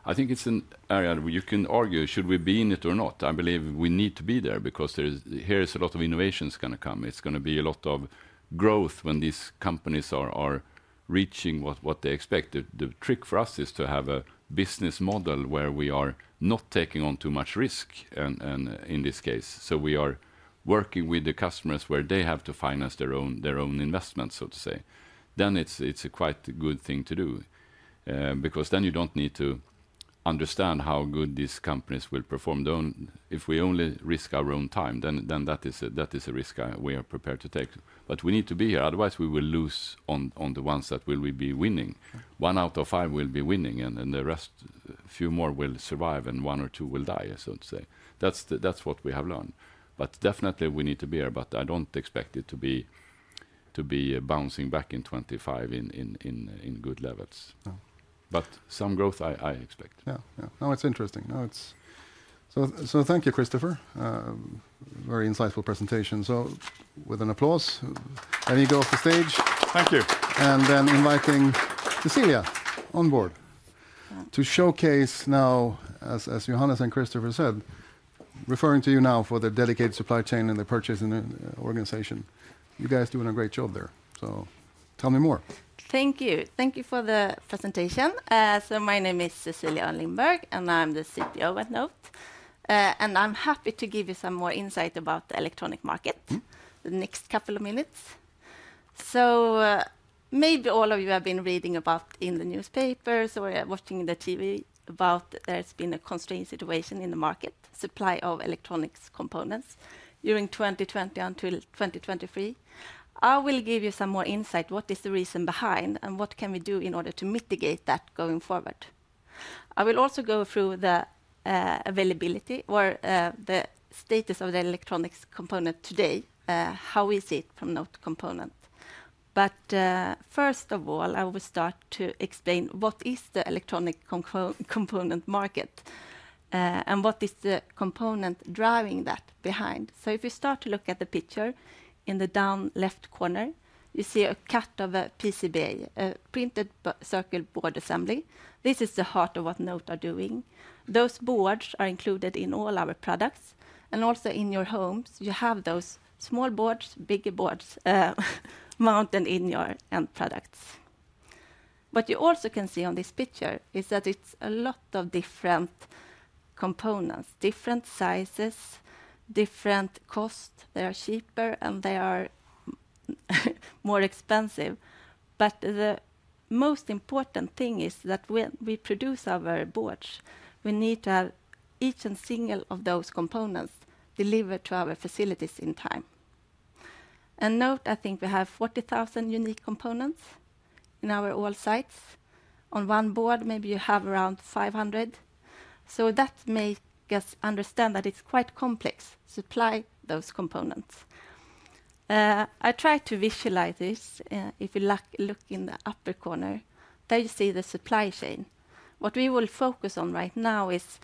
I think it's an area where you can argue, should we be in it or not? I believe we need to be there because here's a lot of innovations going to come. It's going to be a lot of growth when these companies are reaching what they expect. The trick for us is to have a business model where we are not taking on too much risk in this case. So we are working with the customers where they have to finance their own investments, so to say. Then it's a quite good thing to do because then you don't need to understand how good these companies will perform. If we only risk our own time, then that is a risk we are prepared to take. But we need to be here. Otherwise, we will lose on the ones that will be winning. One out of five will be winning, and the rest few more will survive, and one or two will die, so to say. That's what we have learned. But definitely, we need to be here. I don't expect it to be bouncing back in 2025 in good levels. But some growth, I expect. Yeah. No, it's interesting. So thank you, Christoffer. Very insightful presentation. So with an applause, let me go off the stage. Thank you. And then inviting Cecilia on board to showcase now, as Johannes and Christoffer said, referring to you now for the dedicated supply chain and the purchasing organization. You guys are doing a great job there. So tell me more. Thank you. Thank you for the presentation. So my name is Cecilia Örn Lindberg, and I'm the CPO at NOTE. I'm happy to give you some more insight about the electronics market the next couple of minutes. Maybe all of you have been reading about in the newspapers or watching the TV about there's been a constrained situation in the market, supply of electronics components during 2020 until 2023. I will give you some more insight. What is the reason behind, and what can we do in order to mitigate that going forward? I will also go through the availability or the status of the electronics components today, how is it from NOTE components. But first of all, I will start to explain what is the electronics components market and what is the component driving that behind. If you start to look at the picture in the bottom left corner, you see a cut of a PCB, a printed circuit board assembly. This is the heart of what NOTE are doing. Those boards are included in all our products. Also in your homes, you have those small boards, bigger boards mounted in your end products. What you also can see on this picture is that it's a lot of different components, different sizes, different costs. They are cheaper, and they are more expensive. The most important thing is that when we produce our boards, we need to have each and single of those components delivered to our facilities in time. NOTE, I think we have 40,000 unique components in our all sites. On one board, maybe you have around 500. That makes us understand that it's quite complex to supply those components. I try to visualize this. If you look in the upper corner, there you see the supply chain. What we will focus on right now is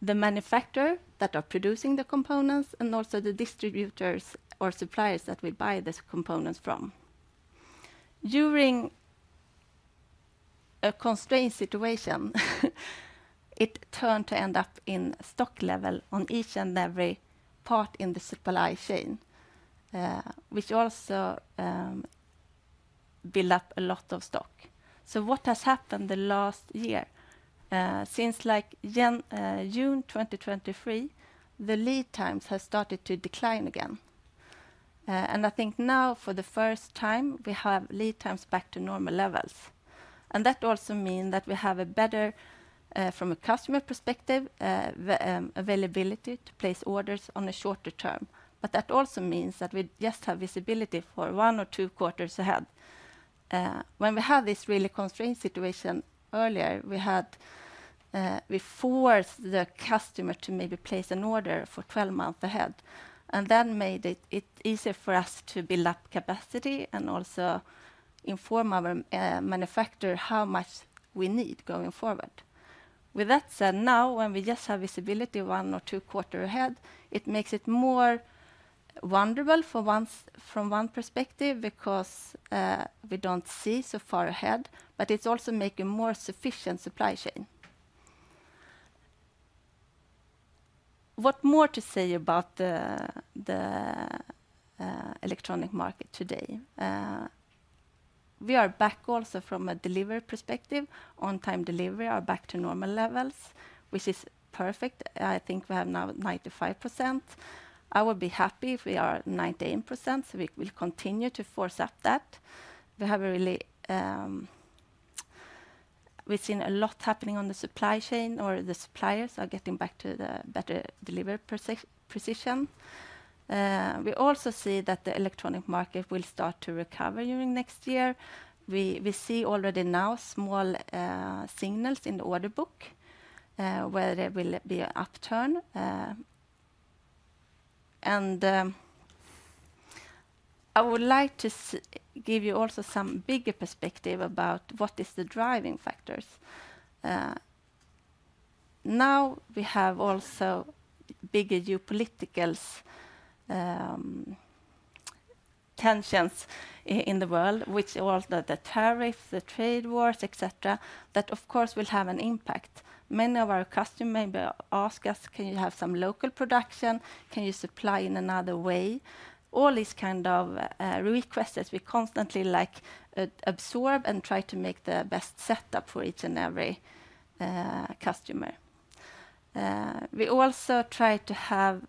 the manufacturers that are producing the components and also the distributors or suppliers that will buy these components from. During a constrained situation, it turned out to end up with stock levels on each and every part in the supply chain, which also built up a lot of stock. So what has happened the last year? Since June 2023, the lead times have started to decline again. And I think now for the first time, we have lead times back to normal levels. And that also means that we have a better, from a customer perspective, availability to place orders on a shorter term. But that also means that we just have visibility for one or two quarters ahead. When we had this really constrained situation earlier, we forced the customer to maybe place an order for 12 months ahead. That made it easier for us to build up capacity and also inform our manufacturer how much we need going forward. With that said, now when we just have visibility one or two quarters ahead, it makes it more vulnerable from one perspective because we don't see so far ahead. It's also making a more sufficient supply chain. What more to say about the electronic market today? We are back also from a delivery perspective. On-time delivery are back to normal levels, which is perfect. I think we have now 95%. I would be happy if we are 99%. We will continue to force up that. We've seen a lot happening on the supply chain or the suppliers are getting back to the better delivery precision. We also see that the electronic market will start to recover during next year. We see already now small signals in the order book where there will be an upturn. And I would like to give you also some bigger perspective about what is the driving factors. Now we have also bigger geopolitical tensions in the world, which are also the tariffs, the trade wars, etc., that of course will have an impact. Many of our customers maybe ask us, "Can you have some local production? Can you supply in another way?" All these kinds of requests that we constantly absorb and try to make the best setup for each and every customer. We also try to have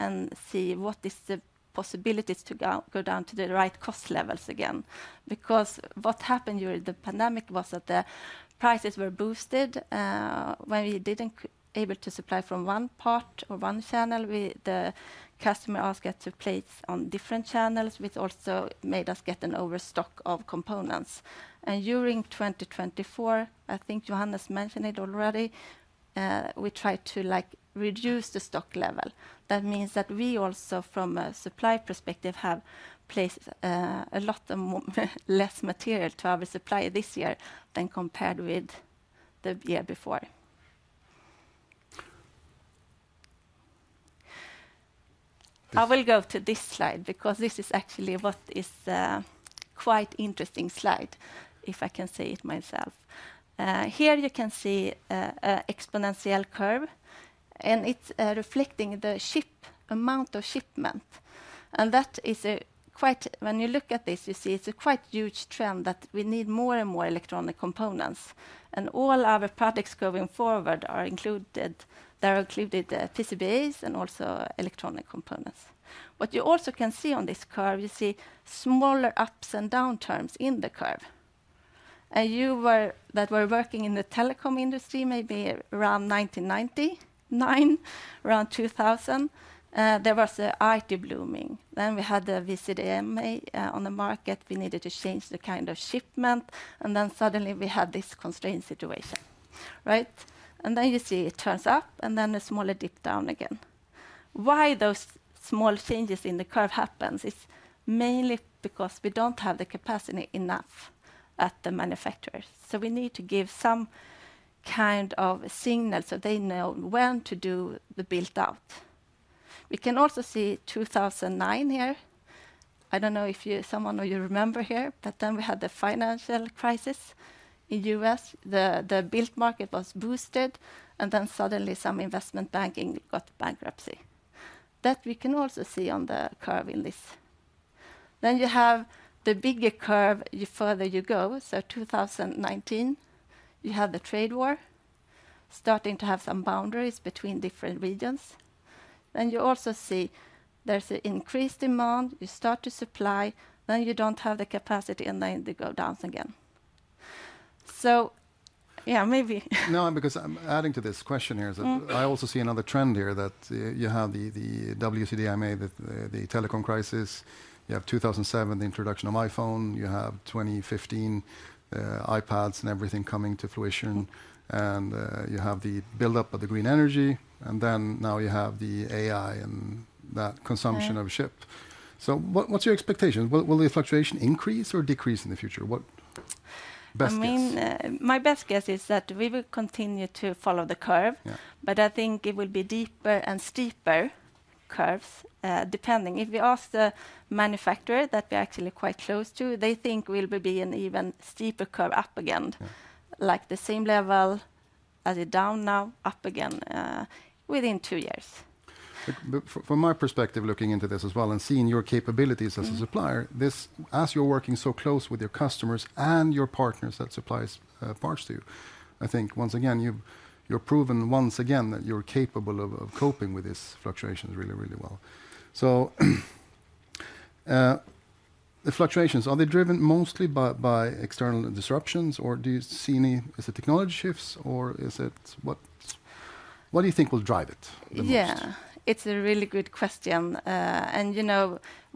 and see what is the possibilities to go down to the right cost levels again. Because what happened during the pandemic was that the prices were boosted. When we weren't able to supply from one part or one channel, the customer asked us to place on different channels, which also made us get an overstock of components. During 2024, I think Johannes mentioned it already, we tried to reduce the stock level. That means that we also, from a supply perspective, have placed a lot less material to our suppliers this year than compared with the year before. I will go to this slide because this is actually quite an interesting slide, if I can say it myself. Here you can see an exponential curve, and it's reflecting the amount of shipment. That is, when you look at this, you see it's a quite huge trend that we need more and more electronic components. All our products going forward are included. They include PCBs and also electronic components. What you also can see on this curve, you see smaller ups and downturns in the curve. You that were working in the telecom industry maybe around 1999, around 2000, there was the IT boom. Then we had the WCDMA on the market. We needed to change the kind of shipment. Then suddenly we had this constrained situation. Then you see it turns up, and then a smaller dip down again. Why those small changes in the curve happen is mainly because we don't have enough capacity at the manufacturers. So we need to give some kind of signal so they know when to do the build-out. We can also see 2009 here. I don't know if someone of you remembers here, but then we had the financial crisis in the U.S., The bull market was boosted, and then suddenly some investment banks went bankrupt. That we can also see on the curve in this, then you have the bigger curve the further you go, so 2019, you have the trade war starting to have some boundaries between different regions, then you also see there's an increased demand, you start to supply, then you don't have the capacity, and then they go down again, so yeah, maybe. No, because adding to this question here, I also see another trend here that you have the WCDMA, the telecom crisis, you have 2007, the introduction of iPhone, you have 2015, iPads and everything coming to fruition, and you have the build-up of the green energy, and then now you have the AI and that consumption of chips, so what's your expectation, will the fluctuation increase or decrease in the future, what best guess. My best guess is that we will continue to follow the curve. But I think it will be deeper and steeper curves, depending. If we ask the manufacturer that we're actually quite close to, they think we'll be in an even steeper curve up again, like the same level as it's down now, up again within two years. From my perspective, looking into this as well and seeing your capabilities as a supplier, as you're working so close with your customers and your partners that supply parts to you, I think once again, you've proven once again that you're capable of coping with these fluctuations really, really well. So the fluctuations, are they driven mostly by external disruptions, or do you see any technology shifts, or is it what do you think will drive it? Yeah, it's a really good question.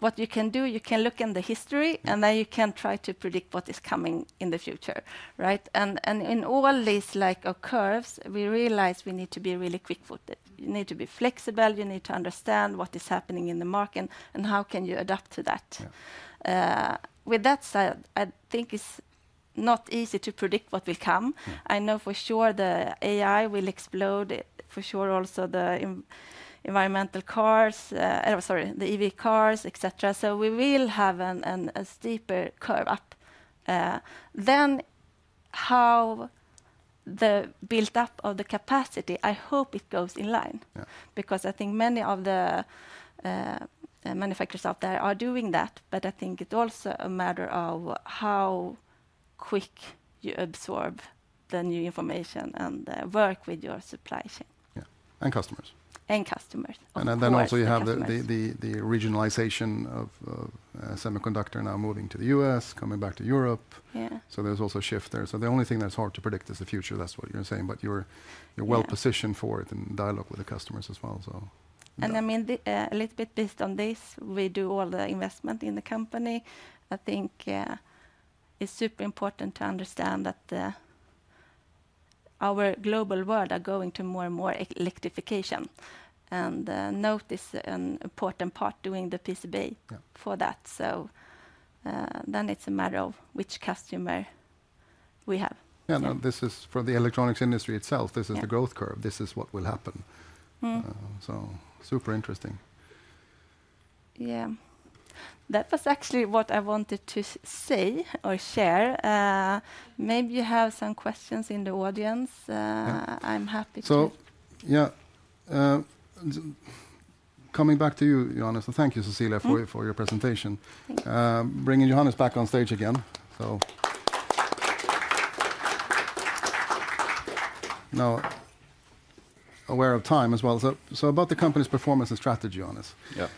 What you can do, you can look in the history, and then you can try to predict what is coming in the future. In all these curves, we realize we need to be really quick-footed. You need to be flexible. You need to understand what is happening in the market and how can you adapt to that. With that said, I think it's not easy to predict what will come. I know for sure the AI will explode, for sure also the environmental cars, sorry, the EV cars, etc. We will have a steeper curve up. How the build-up of the capacity, I hope it goes in line because I think many of the manufacturers out there are doing that. I think it's also a matter of how quick you absorb the new information and work with your supply chain. Yeah, and customers. And customers. And then also you have the regionalization of semiconductor now moving to the U.S., coming back to Europe. So there's also a shift there. So the only thing that's hard to predict is the future. That's what you're saying. But you're well positioned for it and in dialogue with the customers as well. And I mean, a little bit based on this, we do all the investment in the company. I think it's super important to understand that our global world is going to more and more electrification. And NOTE is an important part doing the PCB for that. So then it's a matter of which customer we have. Yeah, this is for the electronics industry itself. This is what will happen. So super interesting. Yeah, that was actually what I wanted to say or share. Maybe you have some questions in the audience. I'm happy to. So yeah, coming back to you, Johannes. Thank you, Cecilia, for your presentation. Bringing Johannes back on stage again. Now, aware of time as well. So about the company's performance and strategy, Johannes.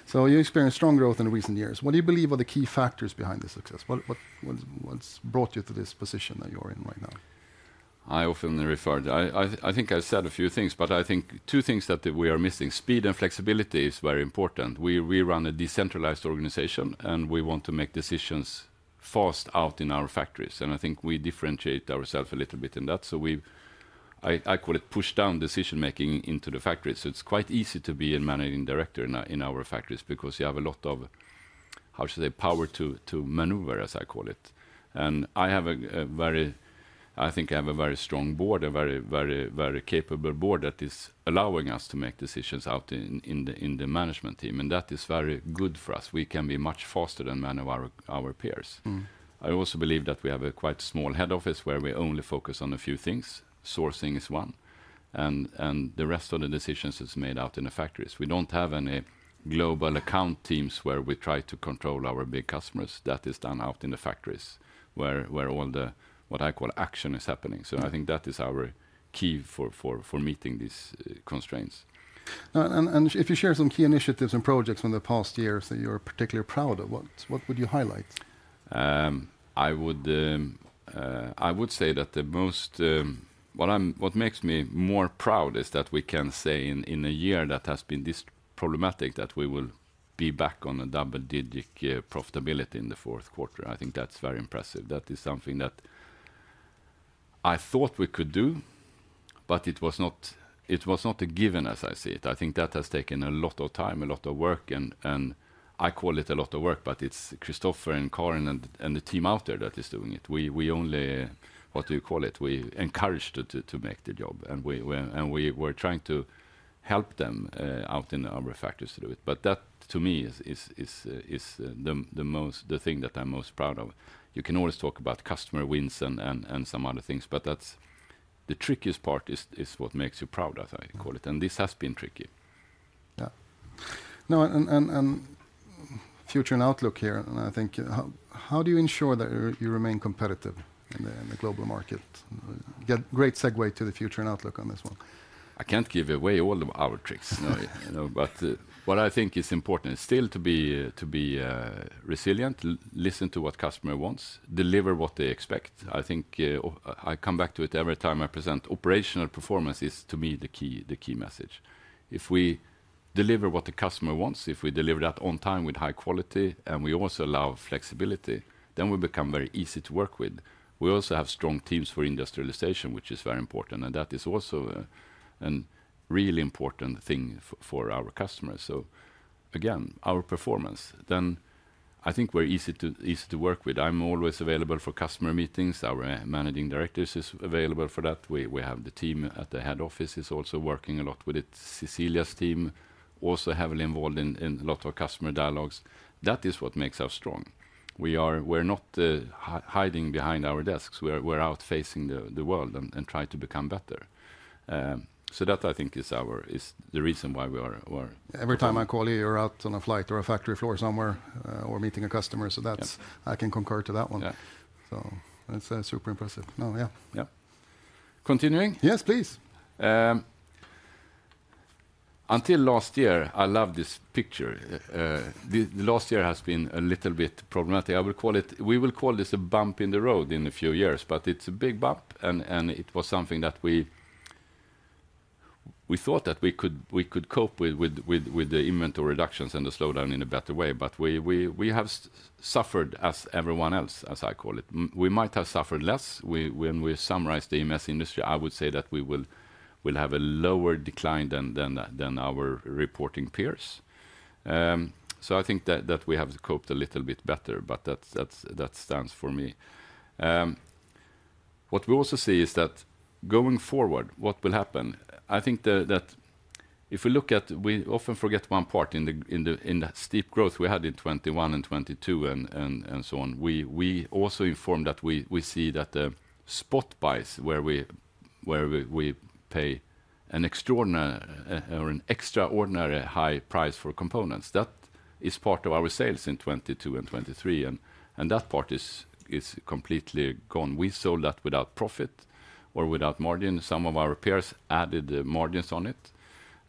So you experienced strong growth in recent years. What do you believe are the key factors behind this success? What's brought you to this position that you're in right now? I often refer to, I think I've said a few things, but I think two things that we are missing. Speed and flexibility is very important. We run a decentralized organization, and we want to make decisions fast out in our factories. And I think we differentiate ourselves a little bit in that. So I call it push-down decision-making into the factories. It's quite easy to be a managing director in our factories because you have a lot of, how should I say, power to maneuver, as I call it. I have a very, I think I have a very strong board, a very, very, very capable board that is allowing us to make decisions out in the management team. That is very good for us. We can be much faster than many of our peers. I also believe that we have a quite small head office where we only focus on a few things. Sourcing is one. The rest of the decisions are made out in the factories. We don't have any global account teams where we try to control our big customers. That is done out in the factories where all the, what I call, action is happening. So I think that is our key for meeting these constraints. And if you share some key initiatives and projects from the past years that you're particularly proud of, what would you highlight? I would say that the most, what makes me more proud is that we can say in a year that has been this problematic that we will be back on a double-digit profitability in the fourth quarter. I think that's very impressive. That is something that I thought we could do, but it was not a given as I see it. I think that has taken a lot of time, a lot of work. And I call it a lot of work, but it's Christoffer and Karin and the team out there that is doing it. We only, what do you call it, we encouraged to make the job. We were trying to help them out in our factories to do it. That, to me, is the thing that I'm most proud of. You can always talk about customer wins and some other things, but the trickiest part is what makes you proud, as I call it. This has been tricky. Yeah. Now, and future and outlook here, and I think, how do you ensure that you remain competitive in the global market? Get a great segue to the future and outlook on this one. I can't give away all of our tricks. What I think is important is still to be resilient, listen to what the customer wants, deliver what they expect. I think I come back to it every time I present operational performance is, to me, the key message. If we deliver what the customer wants, if we deliver that on time with high quality and we also allow flexibility, then we become very easy to work with. We also have strong teams for industrialization, which is very important. And that is also a really important thing for our customers. So again, our performance, then I think we're easy to work with. I'm always available for customer meetings. Our managing directors are available for that. We have the team at the head office who is also working a lot with it. Cecilia's team is also heavily involved in a lot of customer dialogues. That is what makes us strong. We're not hiding behind our desks. We're out facing the world and trying to become better. So that, I think, is the reason why we are. Every time I call you, you're out on a flight or a factory floor somewhere or meeting a customer. So I can concur to that one. So it's super impressive. Yeah. Yeah. Continuing? Yes, please. Until last year, I loved this picture. The last year has been a little bit problematic. We will call this a bump in the road in a few years, but it's a big bump, and it was something that we thought that we could cope with the inventory reductions and the slowdown in a better way, but we have suffered as everyone else, as I call it. We might have suffered less. When we summarize the EMS industry, I would say that we will have a lower decline than our reporting peers, so I think that we have coped a little bit better, but that stands for me. What we also see is that going forward, what will happen? I think that if we look at, we often forget one part in the steep growth we had in 2021 and 2022 and so on. We also inform that we see that the spot buys where we pay an extraordinary high price for components. That is part of our sales in 2022 and 2023. And that part is completely gone. We sold that without profit or without margin. Some of our peers added the margins on it.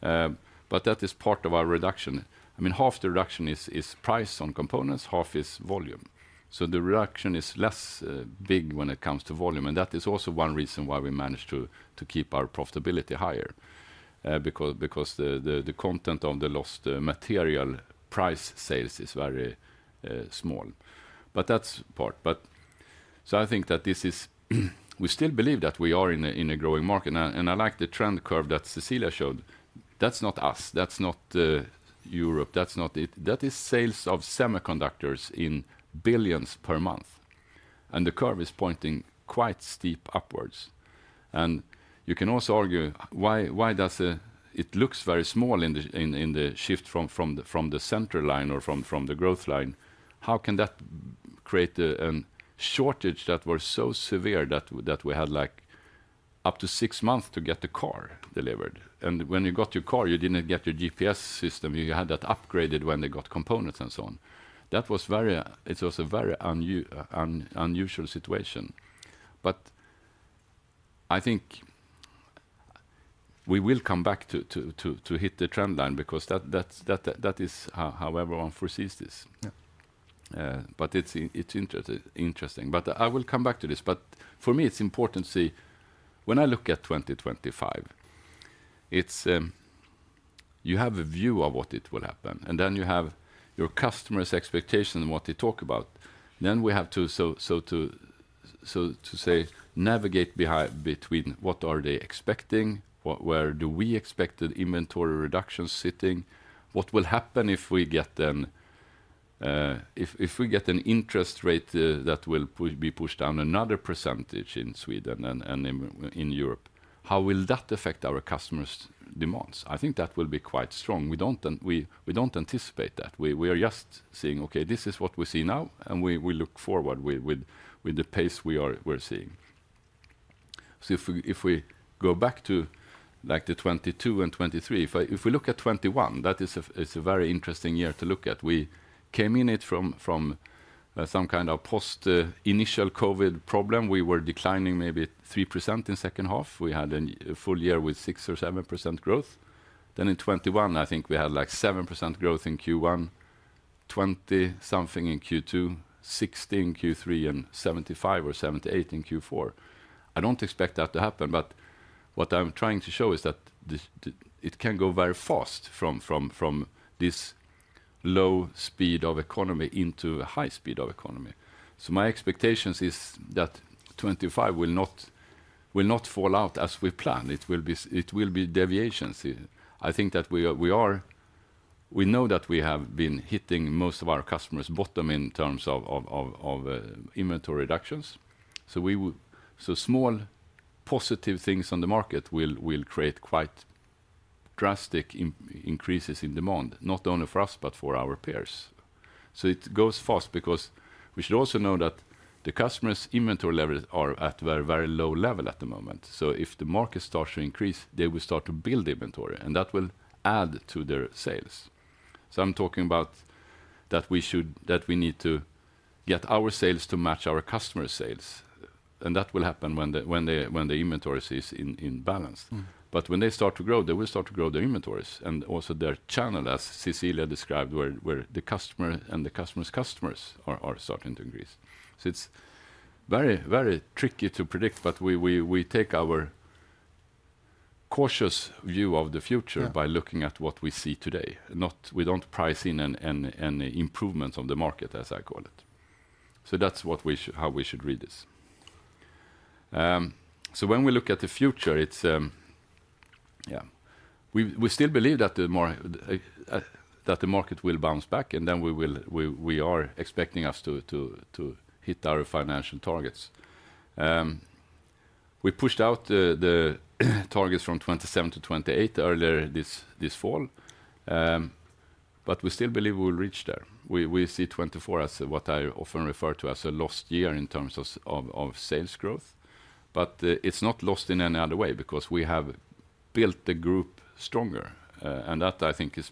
But that is part of our reduction. I mean, half the reduction is price on components. Half is volume. So the reduction is less big when it comes to volume. And that is also one reason why we managed to keep our profitability higher because the content of the lost material price sales is very small. But that's part. But so, I think that this is. We still believe that we are in a growing market. And I like the trend curve that Cecilia showed. That's not us. That's not Europe. That is sales of semiconductors in billions per month. And the curve is pointing quite steep upwards. And you can also argue, why does it look very small in the shift from the center line or from the growth line? How can that create a shortage that was so severe that we had up to six months to get the car delivered? And when you got your car, you didn't get your GPS system. You had that upgraded when they got components and so on. That was very. It was a very unusual situation. But I think we will come back to hit the trend line because that is how everyone foresees this. But it's interesting. But I will come back to this. For me, it's important to see when I look at 2025, you have a view of what will happen. And then you have your customer's expectations and what they talk about. Then we have to, so to say, navigate between what are they expecting, where do we expect the inventory reductions sitting, what will happen if we get an interest rate that will be pushed down another percentage in Sweden and in Europe. How will that affect our customers' demands? I think that will be quite strong. We don't anticipate that. We are just seeing, okay, this is what we see now. And we look forward with the pace we're seeing. If we go back to the 2022 and 2023, if we look at 2021, that is a very interesting year to look at. We came into it from some kind of post-initial COVID problem. We were declining maybe 3% in the second half. We had a full year with 6% or 7% growth. Then in 2021, I think we had like 7% growth in Q1, 20%-something in Q2, 60% in Q3, and 75% or 78% in Q4. I don't expect that to happen. But what I'm trying to show is that it can go very fast from this low speed of economy into a high speed of economy. So my expectation is that 2025 will not fall out as we planned. It will be deviations. I think that we know that we have been hitting most of our customers' bottom in terms of inventory reductions. So small positive things on the market will create quite drastic increases in demand, not only for us, but for our peers. So it goes fast because we should also know that the customers' inventory levels are at a very low level at the moment. So if the market starts to increase, they will start to build inventory. And that will add to their sales. So I'm talking about that we need to get our sales to match our customers' sales. And that will happen when the inventory is in balance. But when they start to grow, they will start to grow their inventories. And also their channel, as Cecilia described, where the customer and the customer's customers are starting to increase. So it's very, very tricky to predict, but we take our cautious view of the future by looking at what we see today. We don't price in any improvements on the market, as I call it. So that's how we should read this. So when we look at the future, yeah, we still believe that the market will bounce back. And then we are expecting us to hit our financial targets. We pushed out the targets from 2027-2028 earlier this fall. But we still believe we will reach there. We see 2024 as what I often refer to as a lost year in terms of sales growth. But it's not lost in any other way because we have built the group stronger. And that, I think, is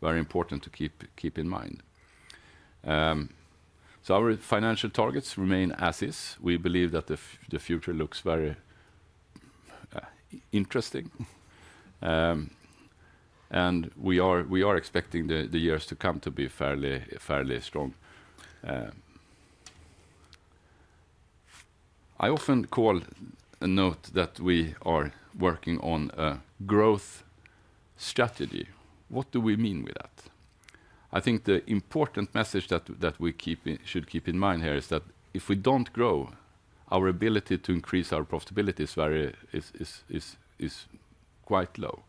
very important to keep in mind. So our financial targets remain as is. We believe that the future looks very interesting. And we are expecting the years to come to be fairly strong. I often call NOTE that we are working on a growth strategy. What do we mean with that? I think the important message that we should keep in mind here is that if we don't grow, our ability to increase our profitability is quite low.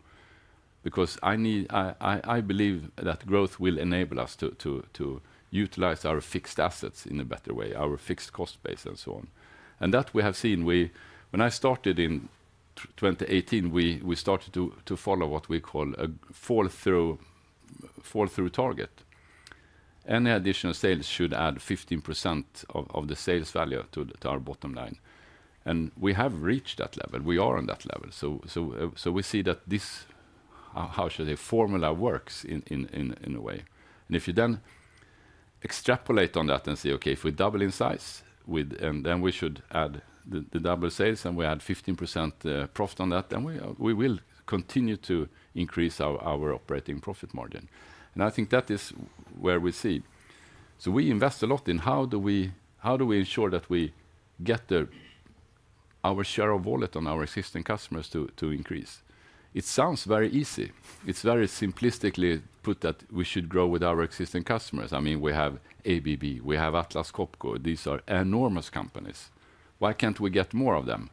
Because I believe that growth will enable us to utilize our fixed assets in a better way, our fixed cost base and so on. And that we have seen. When I started in 2018, we started to follow what we call a fall-through target. Any additional sales should add 15% of the sales value to our bottom line. And we have reached that level. We are on that level. So we see that this, how should I say, formula works in a way. And if you then extrapolate on that and say, okay, if we double in size, and then we should add the double sales and we add 15% profit on that, then we will continue to increase our operating profit margin. I think that is where we see. We invest a lot in how do we ensure that we get our share of wallet on our existing customers to increase. It sounds very easy. It's very simplistically put that we should grow with our existing customers. I mean, we have ABB, we have Atlas Copco. These are enormous companies. Why can't we get more of them?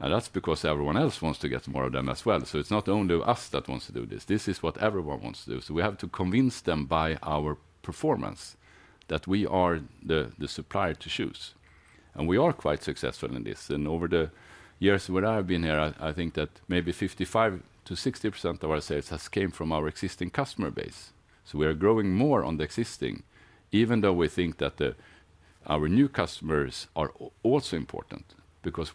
That's because everyone else wants to get more of them as well. It's not only us that wants to do this. This is what everyone wants to do. We have to convince them by our performance that we are the supplier to choose. We are quite successful in this. Over the years that I've been here, I think that maybe 55%-60% of our sales has come from our existing customer base. So we are growing more on the existing, even though we think that our new customers are also important because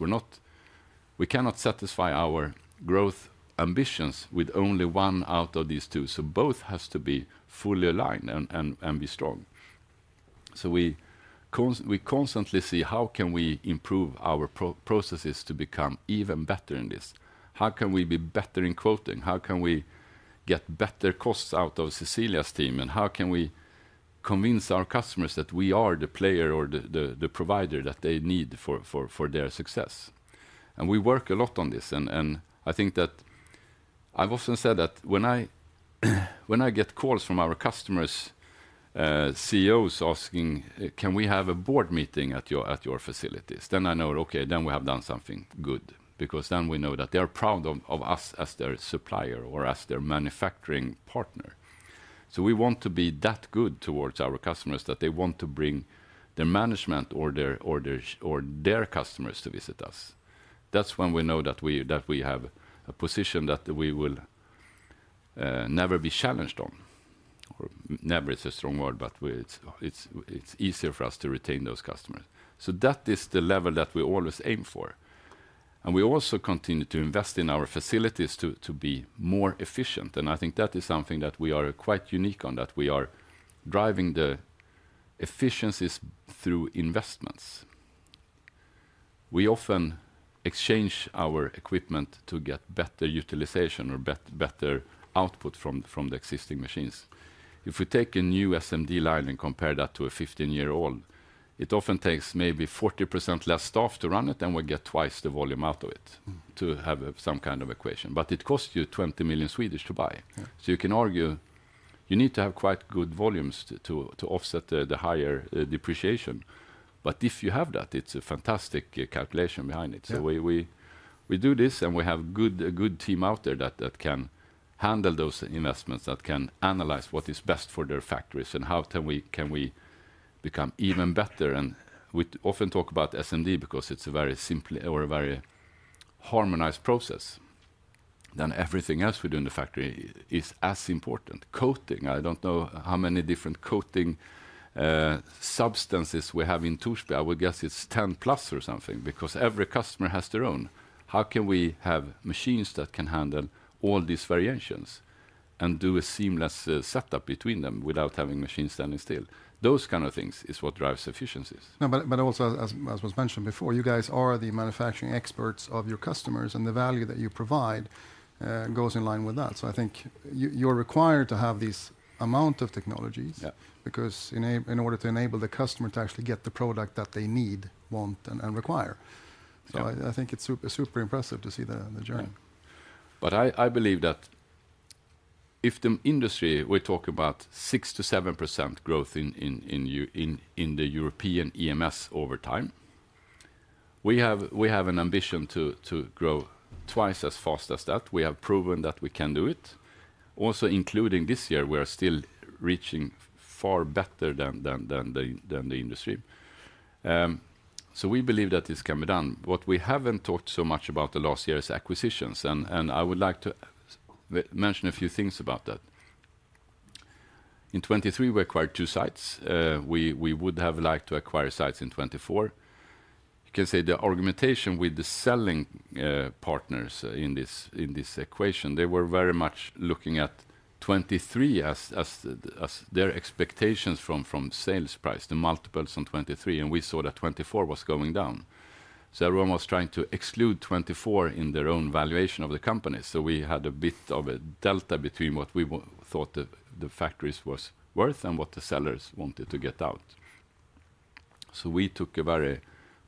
we cannot satisfy our growth ambitions with only one out of these two. So both have to be fully aligned and be strong. So we constantly see how can we improve our processes to become even better in this. How can we be better in quoting? How can we get better costs out of Cecilia's team? And how can we convince our customers that we are the player or the provider that they need for their success? And we work a lot on this. And I think that I've often said that when I get calls from our customers, CEOs asking, can we have a board meeting at your facilities? Then I know, okay, then we have done something good. Because then we know that they are proud of us as their supplier or as their manufacturing partner. So we want to be that good towards our customers that they want to bring their management or their customers to visit us. That's when we know that we have a position that we will never be challenged on. Or never is a strong word, but it's easier for us to retain those customers. So that is the level that we always aim for. And we also continue to invest in our facilities to be more efficient. And I think that is something that we are quite unique on, that we are driving the efficiencies through investments. We often exchange our equipment to get better utilization or better output from the existing machines. If we take a new SMD line and compare that to a 15-year-old, it often takes maybe 40% less staff to run it, and we get twice the volume out of it to have some kind of equation, but it costs you 20 million to buy. So you can argue you need to have quite good volumes to offset the higher depreciation, but if you have that, it's a fantastic calculation behind it. So we do this, and we have a good team out there that can handle those investments, that can analyze what is best for their factories and how can we become even better, and we often talk about SMD because it's a very simple or a very harmonized process. Then everything else we do in the factory is as important. Coating, I don't know how many different coating substances we have in Torsby. I would guess it's 10 plus or something because every customer has their own. How can we have machines that can handle all these variations and do a seamless setup between them without having machines standing still? Those kinds of things is what drives efficiencies. But also, as was mentioned before, you guys are the manufacturing experts of your customers, and the value that you provide goes in line with that. So I think you're required to have these amounts of technologies in order to enable the customer to actually get the product that they need, want, and require. So I think it's super impressive to see the journey. But I believe that if the industry, we're talking about 6%-7% growth in the European EMS over time, we have an ambition to grow twice as fast as that. We have proven that we can do it. Also, including this year, we are still reaching far better than the industry. So we believe that this can be done. What we haven't talked so much about the last year is acquisitions. And I would like to mention a few things about that. In 2023, we acquired two sites. We would have liked to acquire sites in 2024. You can say the argumentation with the selling partners in this equation, they were very much looking at 2023 as their expectations from sales price, the multiples on 2023. And we saw that 2024 was going down. So everyone was trying to exclude 2024 in their own valuation of the company. So we had a bit of a delta between what we thought the factories were worth and what the sellers wanted to get out. So we took a very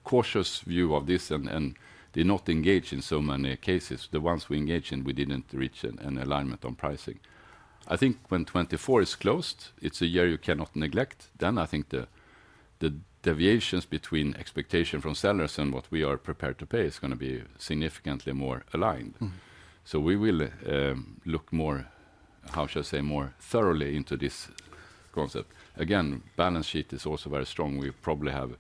cautious view of this, and they're not engaged in so many cases. The ones we engaged in, we didn't reach an alignment on pricing. I think when 2024 is closed, it's a year you cannot neglect. Then I think the deviations between expectations from sellers and what we are prepared to pay is going to be significantly more aligned. So we will look more, how should I say, more thoroughly into this concept. Again, balance sheet is also very strong. We probably have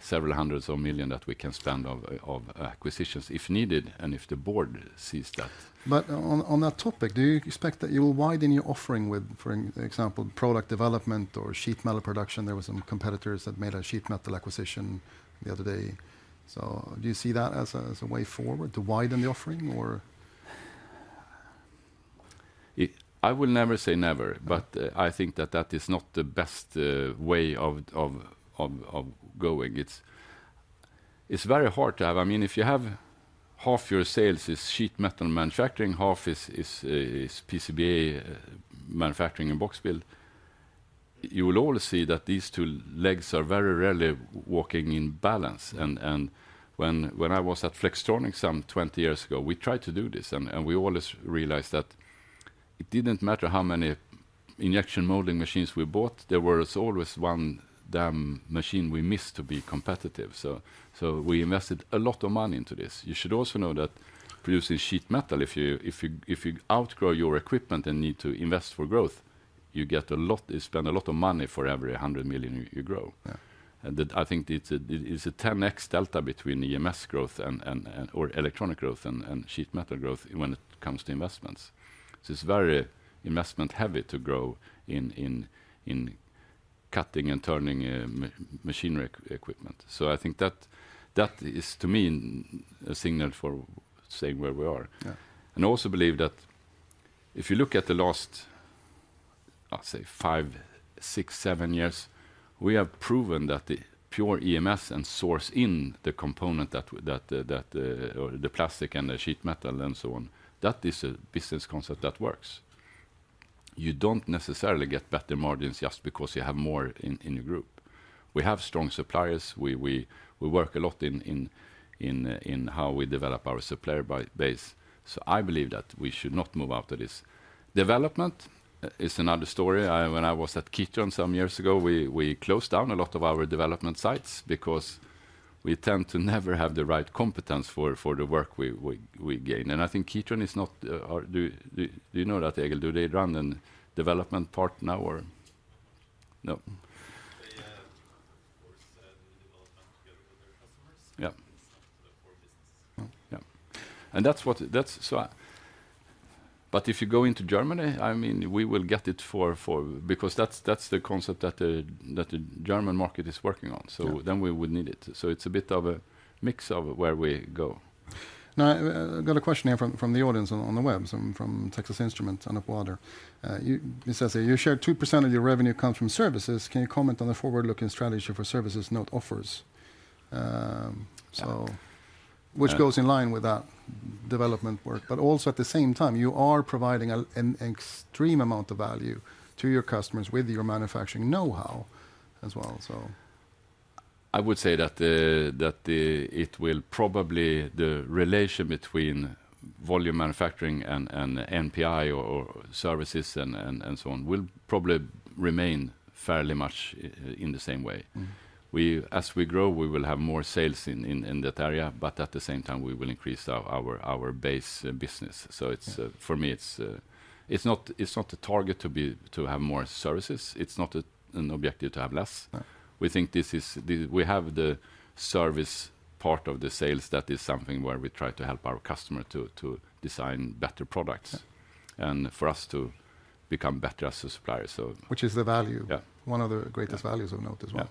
several hundreds of million that we can spend on acquisitions if needed and if the board sees that. But on that topic, do you expect that you will widen your offering with, for example, product development or sheet metal production? There were some competitors that made a sheet metal acquisition the other day. So do you see that as a way forward to widen the offering or? I will never say never, but I think that that is not the best way of going. It's very hard to have. I mean, if you have half your sales is sheet metal manufacturing, half is PCBA manufacturing and box build, you will always see that these two legs are very rarely walking in balance. And when I was at Flextronics some 20 years ago, we tried to do this. And we always realized that it didn't matter how many injection molding machines we bought, there was always one damn machine we missed to be competitive. So we invested a lot of money into this. You should also know that producing sheet metal, if you outgrow your equipment and need to invest for growth, you spend a lot of money for every 100 million you grow. And I think it's a 10x delta between EMS growth or electronic growth and sheet metal growth when it comes to investments. So it's very investment-heavy to grow in cutting and turning machinery equipment. So I think that is, to me, a signal for saying where we are. And I also believe that if you look at the last, I'll say, five, six, seven years, we have proven that the pure EMS and sourcing the component or the plastic and the sheet metal and so on, that is a business concept that works. You don't necessarily get better margins just because you have more in your group. We have strong suppliers. We work a lot in how we develop our supplier base. So I believe that we should not move out of this. Development is another story. When I was at Kitron some years ago, we closed down a lot of our development sites because we tend to never have the right competence for the work we gain. And I think Kitron is not, do you know that, Egil? Do they run a development part now or no? They are for selling development together with their customers. It's not for business. Yeah. And that's what that's, but if you go into Germany, I mean, we will get it for, because that's the concept that the German market is working on. So then we would need it. So it's a bit of a mix of where we go. Now, I've got a question here from the audience on the web from Texas Instruments and Atwater. You say, you share 2% of your revenue comes from services. Can you comment on the forward-looking strategy for services not offers? So, which goes in line with that development work. But also at the same time, you are providing an extreme amount of value to your customers with your manufacturing know-how as well. So, I would say that it will probably, the relation between volume manufacturing and NPI or services and so on will probably remain fairly much in the same way. As we grow, we will have more sales in that area, but at the same time, we will increase our base business. So, for me, it's not a target to have more services. It's not an objective to have less. We think we have the service part of the sales that is something where we try to help our customer to design better products and for us to become better as a supplier. Which is the value, one of the greatest values of NOTE as well.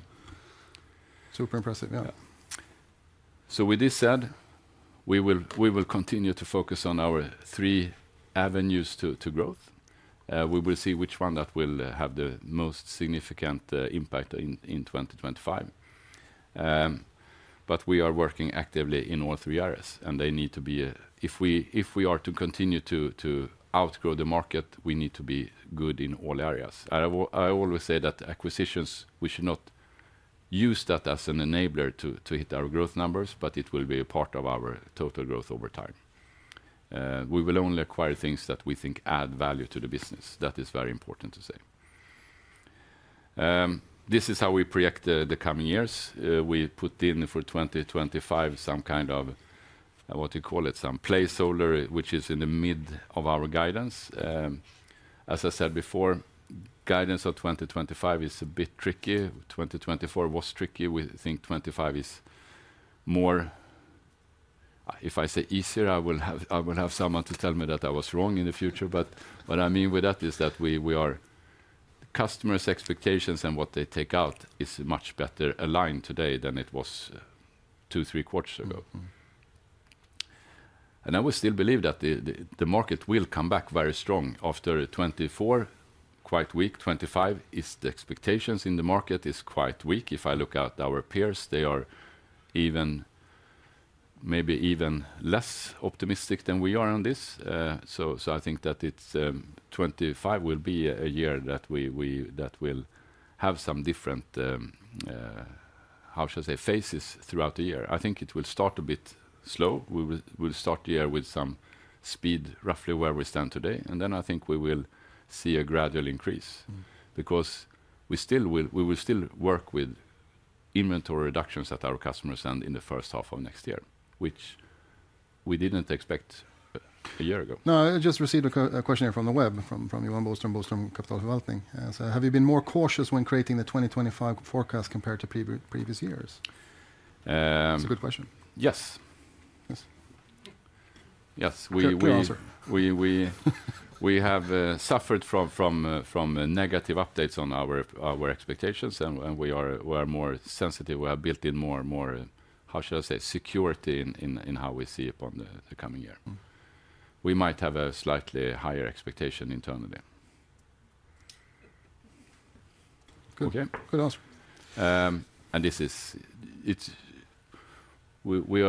Super impressive. Yeah. So with this said, we will continue to focus on our three avenues to growth. We will see which one that will have the most significant impact in 2025. But we are working actively in all three areas, and they need to be, if we are to continue to outgrow the market, we need to be good in all areas. I always say that acquisitions, we should not use that as an enabler to hit our growth numbers, but it will be a part of our total growth over time. We will only acquire things that we think add value to the business. That is very important to say. This is how we project the coming years. We put in for 2025 some kind of, what do you call it, some placeholder, which is in the mid of our guidance. As I said before, guidance of 2025 is a bit tricky. 2024 was tricky. We think 2025 is more, if I say easier, I will have someone to tell me that I was wrong in the future. But what I mean with that is that the customer's expectations and what they take out is much better aligned today than it was two, three quarters ago, and I would still believe that the market will come back very strong after 2024, quite weak. 2025 is the expectations in the market is quite weak. If I look at our peers, they are maybe even less optimistic than we are on this, so I think that 2025 will be a year that will have some different, how should I say, phases throughout the year. I think it will start a bit slow. We will start the year with some speed, roughly where we stand today, and then I think we will see a gradual increase because we will still work with inventory reductions at our customers and in the first half of next year, which we didn't expect a year ago. No, I just received a question here from the web from Yvonne Boström, Boström Capital Development. So have you been more cautious when creating the 2025 forecast compared to previous years? That's a good question. Yes. Yes. Yes. We have suffered from negative updates on our expectations, and we are more sensitive. We have built in more, how should I say, security in how we see upon the coming year. We might have a slightly higher expectation internally. Okay. Good answer, and we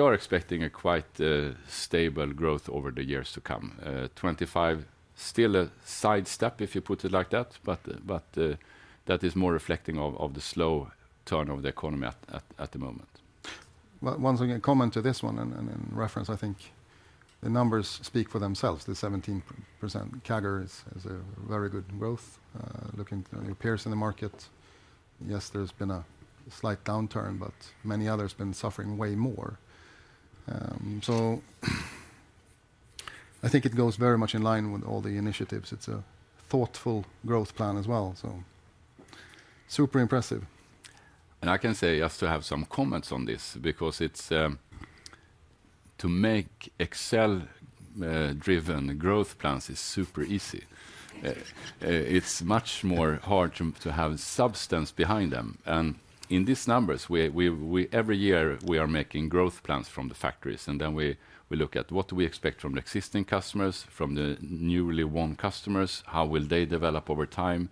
are expecting a quite stable growth over the years to come. 2025, still a sidestep if you put it like that, but that is more reflecting of the slow turn of the economy at the moment. One thing I comment to this one and in reference, I think the numbers speak for themselves. The 17% CAGR is a very good growth. Looking at your peers in the market, yes, there's been a slight downturn, but many others have been suffering way more. So I think it goes very much in line with all the initiatives. It's a thoughtful growth plan as well. So super impressive. And I can say yes to have some comments on this because to make Excel-driven growth plans is super easy. It's much more hard to have substance behind them. And in these numbers, every year we are making growth plans from the factories. Then we look at what do we expect from the existing customers, from the newly won customers, how will they develop over time.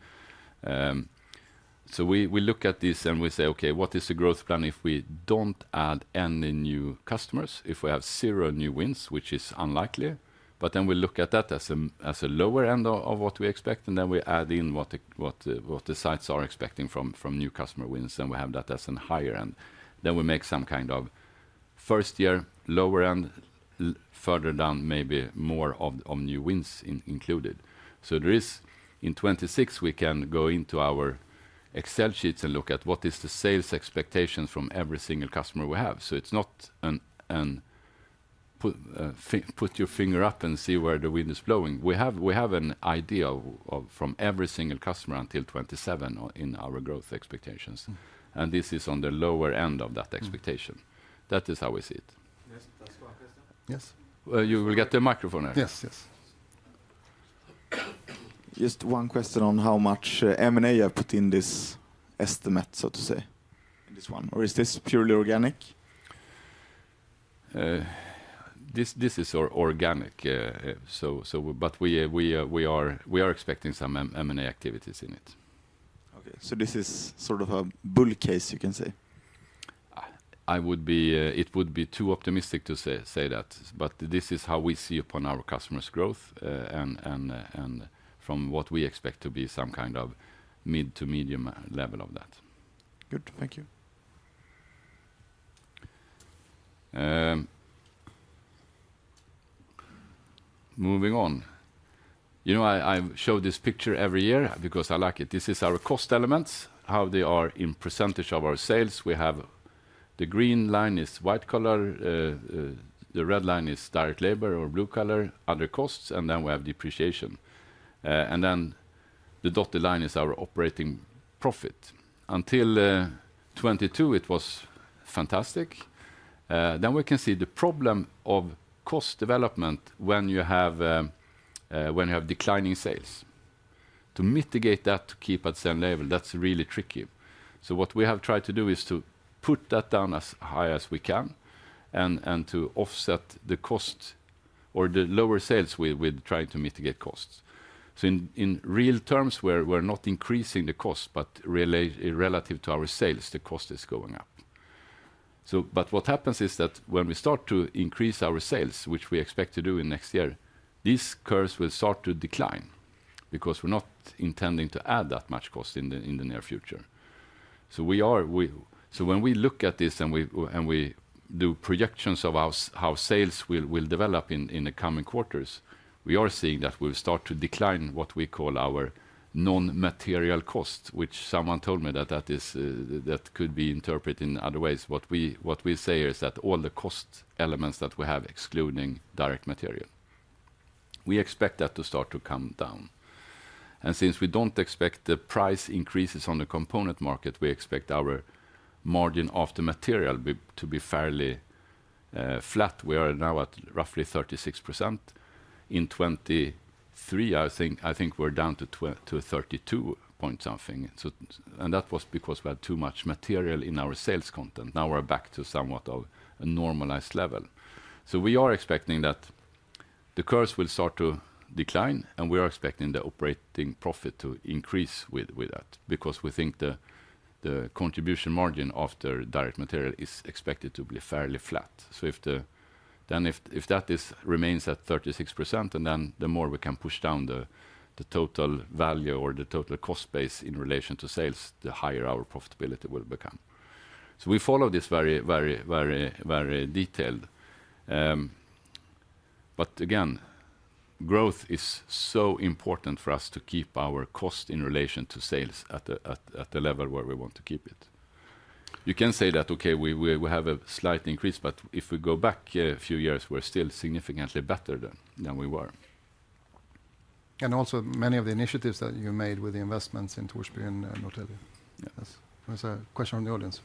So we look at this and we say, okay, what is the growth plan if we don't add any new customers, if we have zero new wins, which is unlikely. But then we look at that as a lower end of what we expect. And then we add in what the sites are expecting from new customer wins. And we have that as a higher end. Then we make some kind of first year lower end, further down maybe more of new wins included. So in 2026, we can go into our Excel sheets and look at what is the sales expectations from every single customer we have. So it's not put your finger up and see where the wind is blowing. We have an idea from every single customer until 2027 in our growth expectations, and this is on the lower end of that expectation. That is how we see it. Yes. That's one question. Yes. You will get the microphone now. Yes. Yes. Just one question on how much M&A have put in this estimate, so to say. In this one. Or is this purely organic? This is organic, but we are expecting some M&A activities in it. Okay. So this is sort of a bull case, you can say. It would be too optimistic to say that. But this is how we see upon our customers' growth and from what we expect to be some kind of mid to medium level of that. Good. Thank you. Moving on. You know I show this picture every year because I like it. This is our cost elements, how they are in percentage of our sales. We have the green line is white-collar, the red line is direct labor or blue-collar, other costs, and then we have depreciation, and then the dotted line is our operating profit. Until 2022, it was fantastic. Then we can see the problem of cost development when you have declining sales. To mitigate that, to keep at the same level, that's really tricky. So what we have tried to do is to put that down as high as we can and to offset the cost or the lower sales with trying to mitigate costs. So in real terms, we're not increasing the cost, but relative to our sales, the cost is going up. But what happens is that when we start to increase our sales, which we expect to do in next year, these curves will start to decline because we're not intending to add that much cost in the near future. So when we look at this and we do projections of how sales will develop in the coming quarters, we are seeing that we will start to decline what we call our non-material cost, which someone told me that that could be interpreted in other ways. What we say is that all the cost elements that we have, excluding direct material, we expect that to start to come down. And since we don't expect the price increases on the component market, we expect our margin after material to be fairly flat. We are now at roughly 36%. In 2023, I think we're down to 32 point something. And that was because we had too much material in our sales content. Now we're back to somewhat of a normalized level. So we are expecting that the curves will start to decline, and we are expecting the operating profit to increase with that because we think the contribution margin after direct material is expected to be fairly flat. So then if that remains at 36%, and then the more we can push down the total value or the total cost base in relation to sales, the higher our profitability will become. So we follow this very, very, very detailed. But again, growth is so important for us to keep our cost in relation to sales at the level where we want to keep it. You can say that, okay, we have a slight increase, but if we go back a few years, we're still significantly better than we were. Also many of the initiatives that you made with the investments in Torsby and Norrtälje. That's a question from the audience.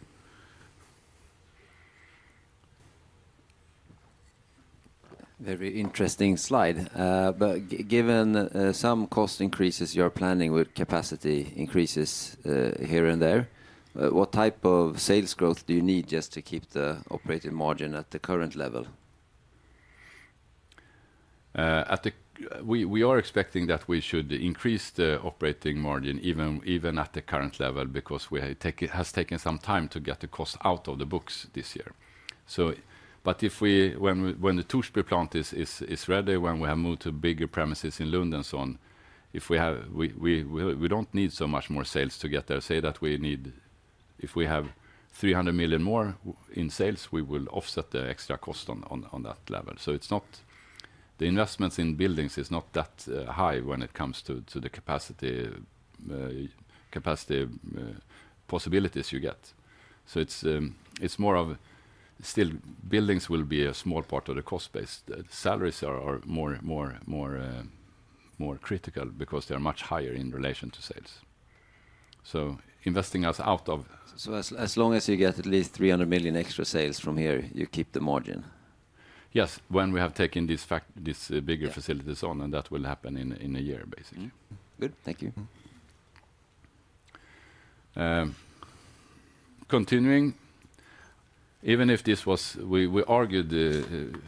Very interesting slide. But given some cost increases, you're planning with capacity increases here and there. What type of sales growth do you need just to keep the operating margin at the current level? We are expecting that we should increase the operating margin even at the current level because it has taken some time to get the cost out of the books this year. But when the Torsby plant is ready, when we have moved to bigger premises in Lund and so on, we don't need so much more sales to get there. Say that we need, if we have 300 million more in sales, we will offset the extra cost on that level. So the investments in buildings is not that high when it comes to the capacity possibilities you get. So it's more of still buildings will be a small part of the cost base. Salaries are more critical because they are much higher in relation to sales. So investing us out of. So as long as you get at least 300 million extra sales from here, you keep the margin. Yes. When we have taken these bigger facilities on, and that will happen in a year, basically. Good. Thank you. Continuing. Even if this was, we argued,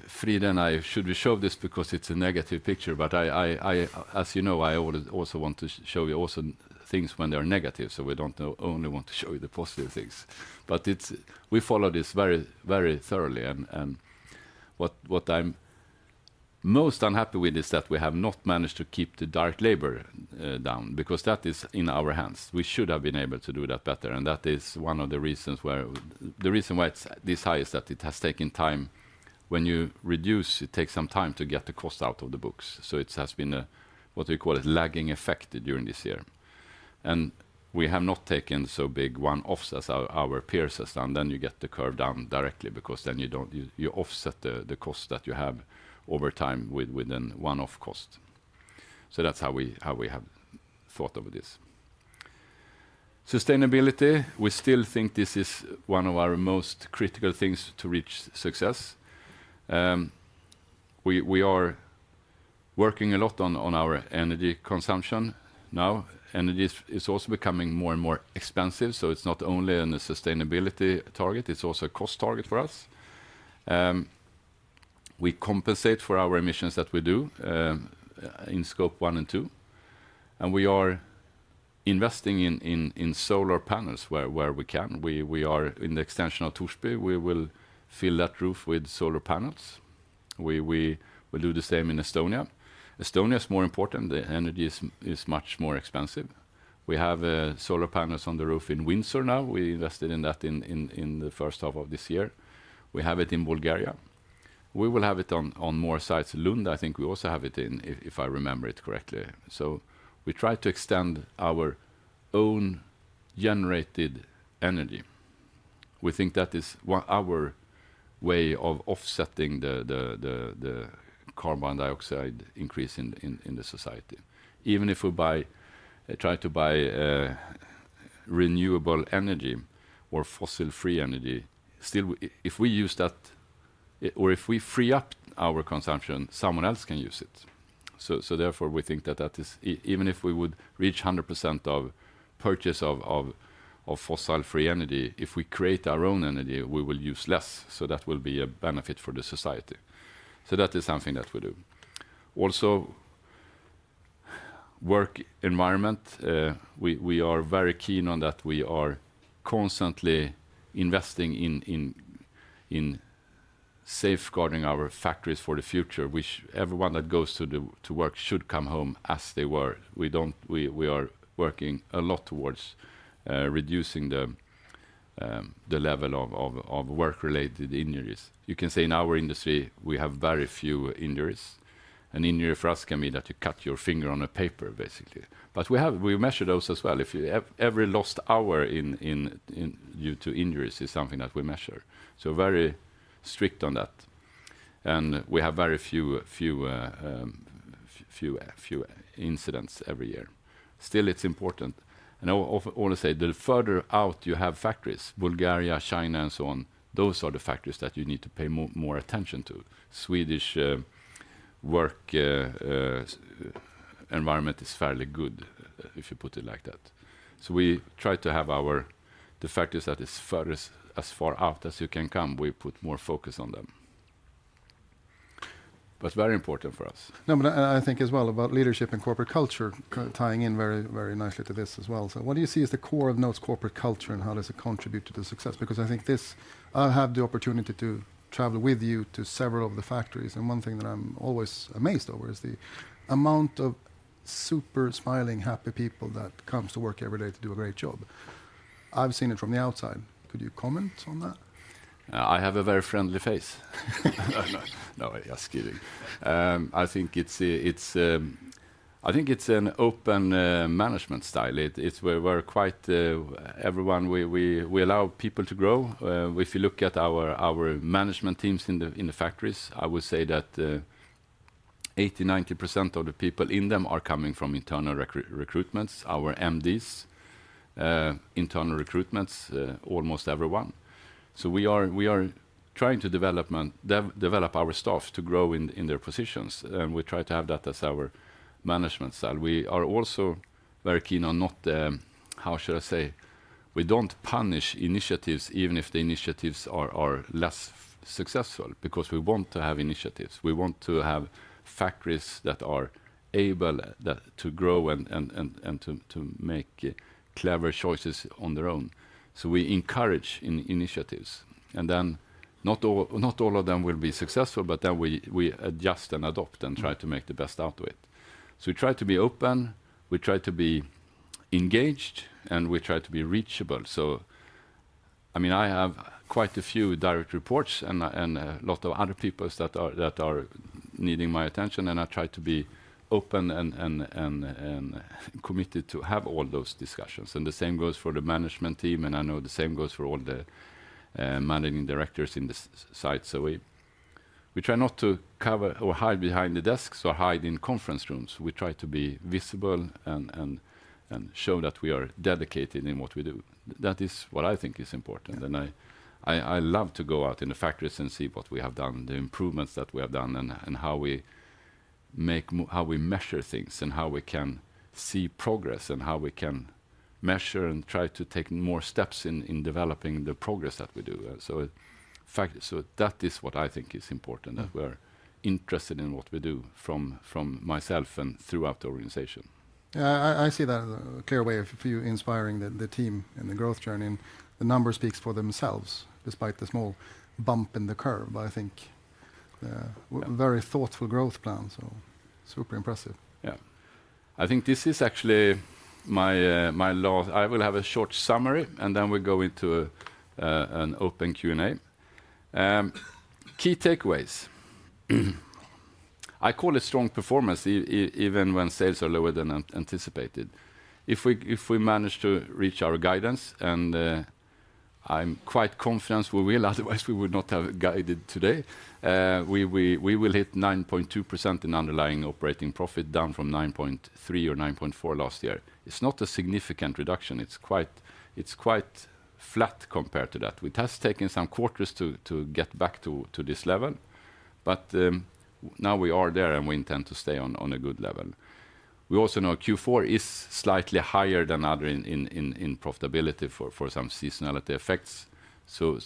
Frida and I, should we show this because it's a negative picture? But as you know, I also want to show you also things when they are negative. So we don't only want to show you the positive things. But we follow this very thoroughly. What I'm most unhappy with is that we have not managed to keep the direct labor down because that is in our hands. We should have been able to do that better. That is one of the reasons why it's this high is that it has taken time. When you reduce, it takes some time to get the cost out of the books. So it has been what we call a lagging effect during this year. We have not taken so big one-offs as our peers have done. Then you get the curve down directly because then you offset the cost that you have over time with a one-off cost. So that's how we have thought of this. Sustainability. We still think this is one of our most critical things to reach success. We are working a lot on our energy consumption now. Energy is also becoming more and more expensive. So it's not only a sustainability target, it's also a cost target for us. We compensate for our emissions that we do in Scope 1 and Scope 2. And we are investing in solar panels where we can. In the extension of Torsby, we will fill that roof with solar panels. We will do the same in Estonia. Estonia is more important. The energy is much more expensive. We have solar panels on the roof in Windsor now. We invested in that in the first half of this year. We have it in Bulgaria. We will have it on more sites. Lund, I think we also have it in, if I remember it correctly. So we try to extend our own generated energy. We think that is our way of offsetting the carbon dioxide increase in the society. Even if we try to buy renewable energy or fossil-free energy, still, if we use that or if we free up our consumption, someone else can use it. So therefore, we think that even if we would reach 100% of purchase of fossil-free energy, if we create our own energy, we will use less. So that will be a benefit for the society. So that is something that we do. Also, work environment. We are very keen on that. We are constantly investing in safeguarding our factories for the future, which everyone that goes to work should come home as they were. We are working a lot towards reducing the level of work-related injuries. You can say in our industry, we have very few injuries. An injury for us can be that you cut your finger on a paper, basically. But we measure those as well. Every lost hour due to injuries is something that we measure. So very strict on that. And we have very few incidents every year. Still, it's important. And I want to say the further out you have factories, Bulgaria, China, and so on, those are the factories that you need to pay more attention to. Swedish work environment is fairly good if you put it like that. So we try to have the factories that are as far out as you can come. We put more focus on them. But very important for us. No, but I think as well about leadership and corporate culture tying in very nicely to this as well. So what do you see as the core of NOTE's corporate culture and how does it contribute to the success? Because I think this, I have the opportunity to travel with you to several of the factories. One thing that I'm always amazed over is the amount of super smiling, happy people that come to work every day to do a great job. I've seen it from the outside. Could you comment on that? I have a very friendly face. No, you're kidding. I think it's an open management style. Everyone, we allow people to grow. If you look at our management teams in the factories, I would say that 80%-90% of the people in them are coming from internal recruitments, our MDs, internal recruitments, almost everyone. So we are trying to develop our staff to grow in their positions. And we try to have that as our management style. We are also very keen on not, how should I say, we don't punish initiatives even if the initiatives are less successful because we want to have initiatives. We want to have factories that are able to grow and to make clever choices on their own, so we encourage initiatives, and then not all of them will be successful, but then we adjust and adopt and try to make the best out of it, so we try to be open. We try to be engaged, and we try to be reachable, so I mean, I have quite a few direct reports and a lot of other people that are needing my attention, and I try to be open and committed to have all those discussions, and the same goes for the management team, and I know the same goes for all the managing directors in the site, so we try not to cover or hide behind the desks or hide in conference rooms. We try to be visible and show that we are dedicated in what we do. That is what I think is important. And I love to go out in the factories and see what we have done, the improvements that we have done, and how we measure things and how we can see progress and how we can measure and try to take more steps in developing the progress that we do. So that is what I think is important, that we're interested in what we do from myself and throughout the organization. Yeah, I see that in a clear way of you inspiring the team and the growth journey. And the numbers speak for themselves despite the small bump in the curve. But I think a very thoughtful growth plan. So super impressive. Yeah. I think this is actually my last. I will have a short summary, and then we'll go into an open Q&A. Key takeaways. I call it strong performance even when sales are lower than anticipated. If we manage to reach our guidance, and I'm quite confident we will, otherwise we would not have guided today, we will hit 9.2% in underlying operating profit down from 9.3% or 9.4% last year. It's not a significant reduction. It's quite flat compared to that. It has taken some quarters to get back to this level. But now we are there, and we intend to stay on a good level. We also know Q4 is slightly higher than other in profitability for some seasonality effects. So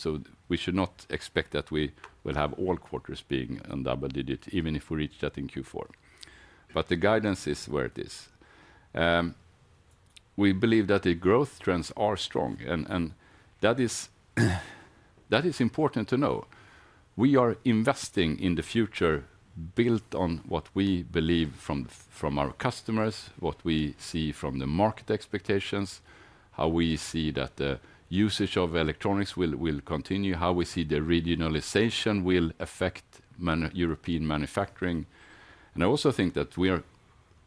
we should not expect that we will have all quarters being on double digits, even if we reach that in Q4. But the guidance is where it is. We believe that the growth trends are strong, and that is important to know. We are investing in the future built on what we believe from our customers, what we see from the market expectations, how we see that the usage of electronics will continue, how we see the regionalization will affect European manufacturing. And I also think that we are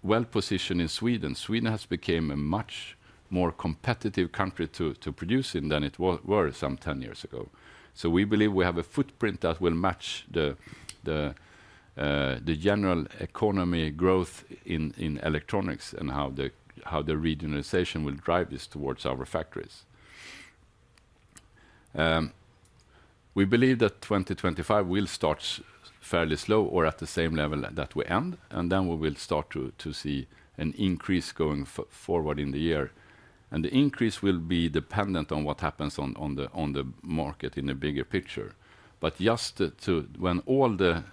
well positioned in Sweden. Sweden has become a much more competitive country to produce in than it was some 10 years ago. So we believe we have a footprint that will match the general economy growth in electronics and how the regionalization will drive this towards our factories. We believe that 2025 will start fairly slow or at the same level that we end. And then we will start to see an increase going forward in the year. And the increase will be dependent on what happens on the market in the bigger picture. But just when all the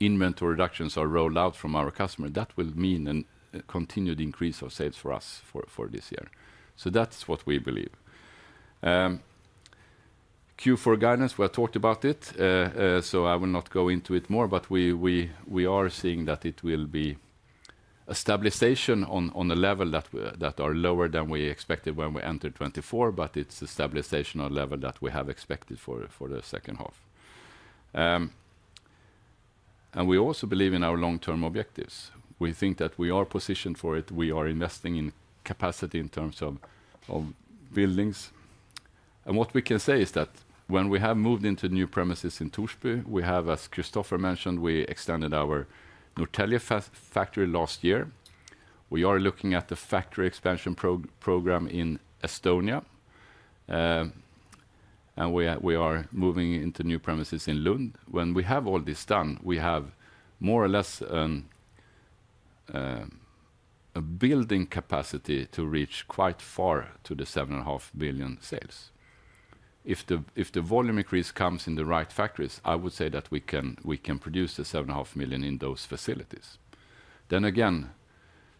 inventory reductions are rolled out from our customers, that will mean a continued increase of sales for us for this year. So that's what we believe. Q4 guidance, we have talked about it. So I will not go into it more. But we are seeing that it will be a stabilization on a level that are lower than we expected when we entered 2024. But it's a stabilization on a level that we have expected for the second half. And we also believe in our long-term objectives. We think that we are positioned for it. We are investing in capacity in terms of buildings. And what we can say is that when we have moved into new premises in Torsby, we have, as Christoffer mentioned, extended our Norrtälje factory last year. We are looking at the factory expansion program in Estonia. We are moving into new premises in Lund. When we have all this done, we have more or less a building capacity to reach quite far to the 7.5 billion sales. If the volume increase comes in the right factories, I would say that we can produce the 7.5 billion in those facilities. Then again,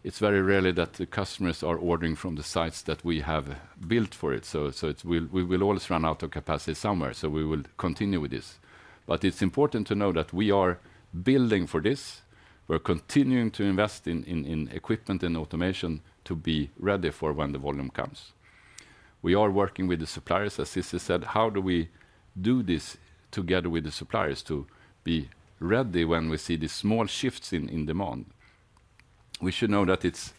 it's very rarely that the customers are ordering from the sites that we have built for it. So we will always run out of capacity somewhere. So we will continue with this. But it's important to know that we are building for this. We're continuing to invest in equipment and automation to be ready for when the volume comes. We are working with the suppliers, as Cecilia said. How do we do this together with the suppliers to be ready when we see these small shifts in demand? We should know that it's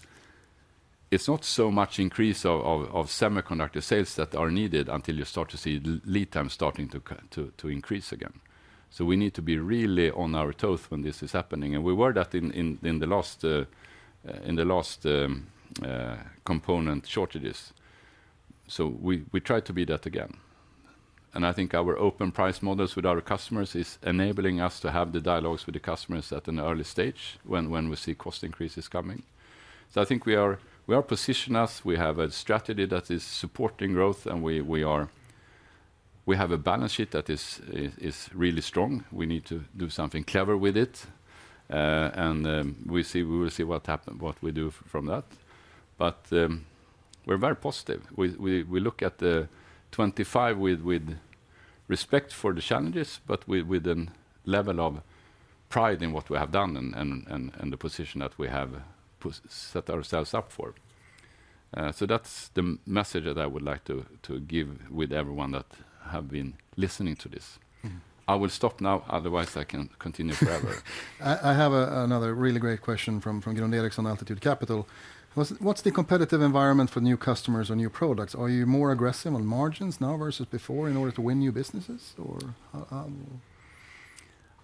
not so much increase of semiconductor sales that are needed until you start to see lead time starting to increase again, so we need to be really on our toes when this is happening, and we were that in the last component shortages, so we try to be that again, and I think our open price models with our customers is enabling us to have the dialogues with the customers at an early stage when we see cost increases coming, so I think we are positioned as we have a strategy that is supporting growth, and we have a balance sheet that is really strong. We need to do something clever with it, and we will see what we do from that, but we're very positive. We look at the 25 with respect for the challenges, but with a level of pride in what we have done and the position that we have set ourselves up for. So that's the message that I would like to give with everyone that have been listening to this. I will stop now. Otherwise, I can continue forever. I have another really great question from Grunde Eriksen, Altitude Capital. What's the competitive environment for new customers or new products? Are you more aggressive on margins now versus before in order to win new businesses?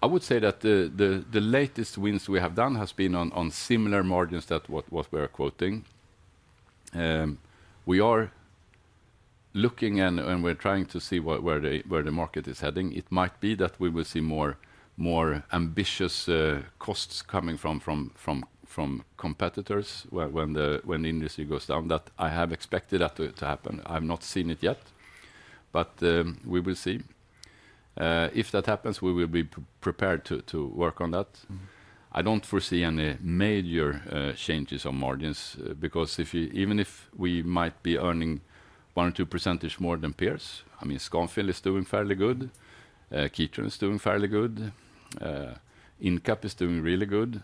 I would say that the latest wins we have done have been on similar margins to what we are quoting. We are looking, and we're trying to see where the market is heading. It might be that we will see more ambitious costs coming from competitors when the industry goes down that I have expected to happen. I have not seen it yet. But we will see. If that happens, we will be prepared to work on that. I don't foresee any major changes on margins because even if we might be earning 1% or 2% more than peers, I mean, Scanfil is doing fairly good. Kitron is doing fairly good. Incap is doing really good.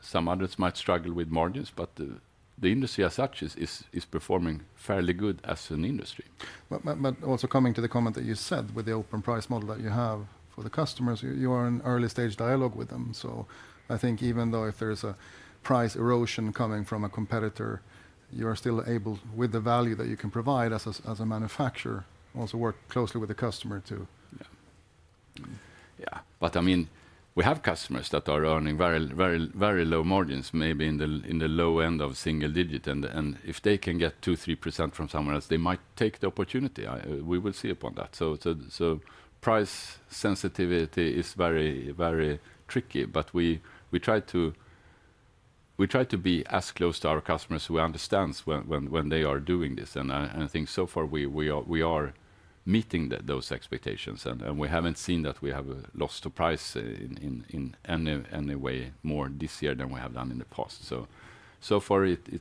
Some others might struggle with margins, but the industry as such is performing fairly good as an industry. But also coming to the comment that you said with the open price model that you have for the customers, you are in early stage dialogue with them. So, I think even though if there's a price erosion coming from a competitor, you are still able, with the value that you can provide as a manufacturer, also work closely with the customer too. Yeah. But I mean, we have customers that are earning very low margins, maybe in the low end of single digit. And if they can get 2%-3% from somewhere else, they might take the opportunity. We will see upon that. So price sensitivity is very tricky. But we try to be as close to our customers who understand when they are doing this. And I think so far, we are meeting those expectations. And we haven't seen that we have lost the price in any way more this year than we have done in the past. So far, it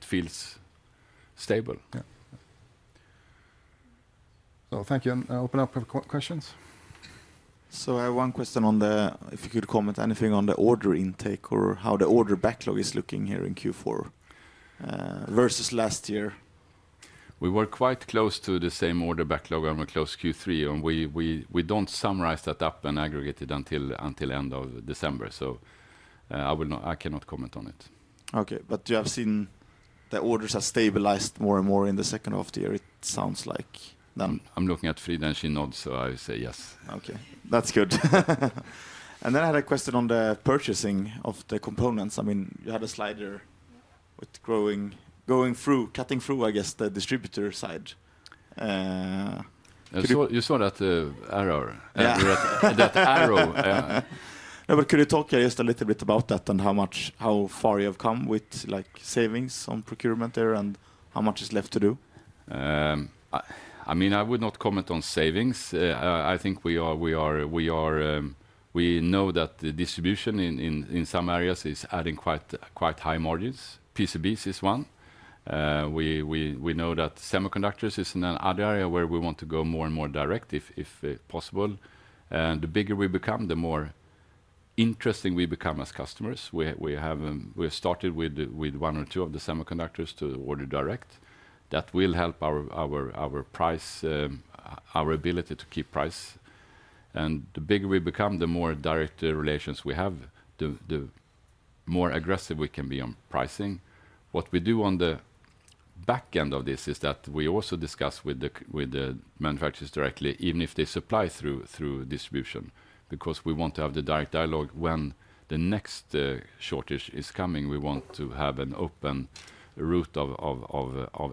feels stable. Well, thank you. Open up for questions. So I have one question on the, if you could comment anything on the order intake or how the order backlog is looking here in Q4 versus last year. We were quite close to the same order backlog on close Q3. And we don't summarize that up and aggregate it until end of December. So I cannot comment on it. Okay. But you have seen the orders have stabilized more and more in the second half of the year, it sounds like. I'm looking at Frida and she nods, so I say yes. Okay. That's good. And then I had a question on the purchasing of the components. I mean, you had a slider with going through, cutting through, I guess, the distributor side. You saw that arrow. No, but could you talk just a little bit about that and how far you have come with savings on procurement there and how much is left to do? I mean, I would not comment on savings. I think we know that the distribution in some areas is adding quite high margins. PCBs is one. We know that semiconductors is in an area where we want to go more and more direct if possible. And the bigger we become, the more interesting we become as customers. We started with one or two of the semiconductors to order direct. That will help our ability to keep price. And the bigger we become, the more direct relations we have, the more aggressive we can be on pricing. What we do on the back end of this is that we also discuss with the manufacturers directly, even if they supply through distribution, because we want to have the direct dialogue when the next shortage is coming. We want to have an open route of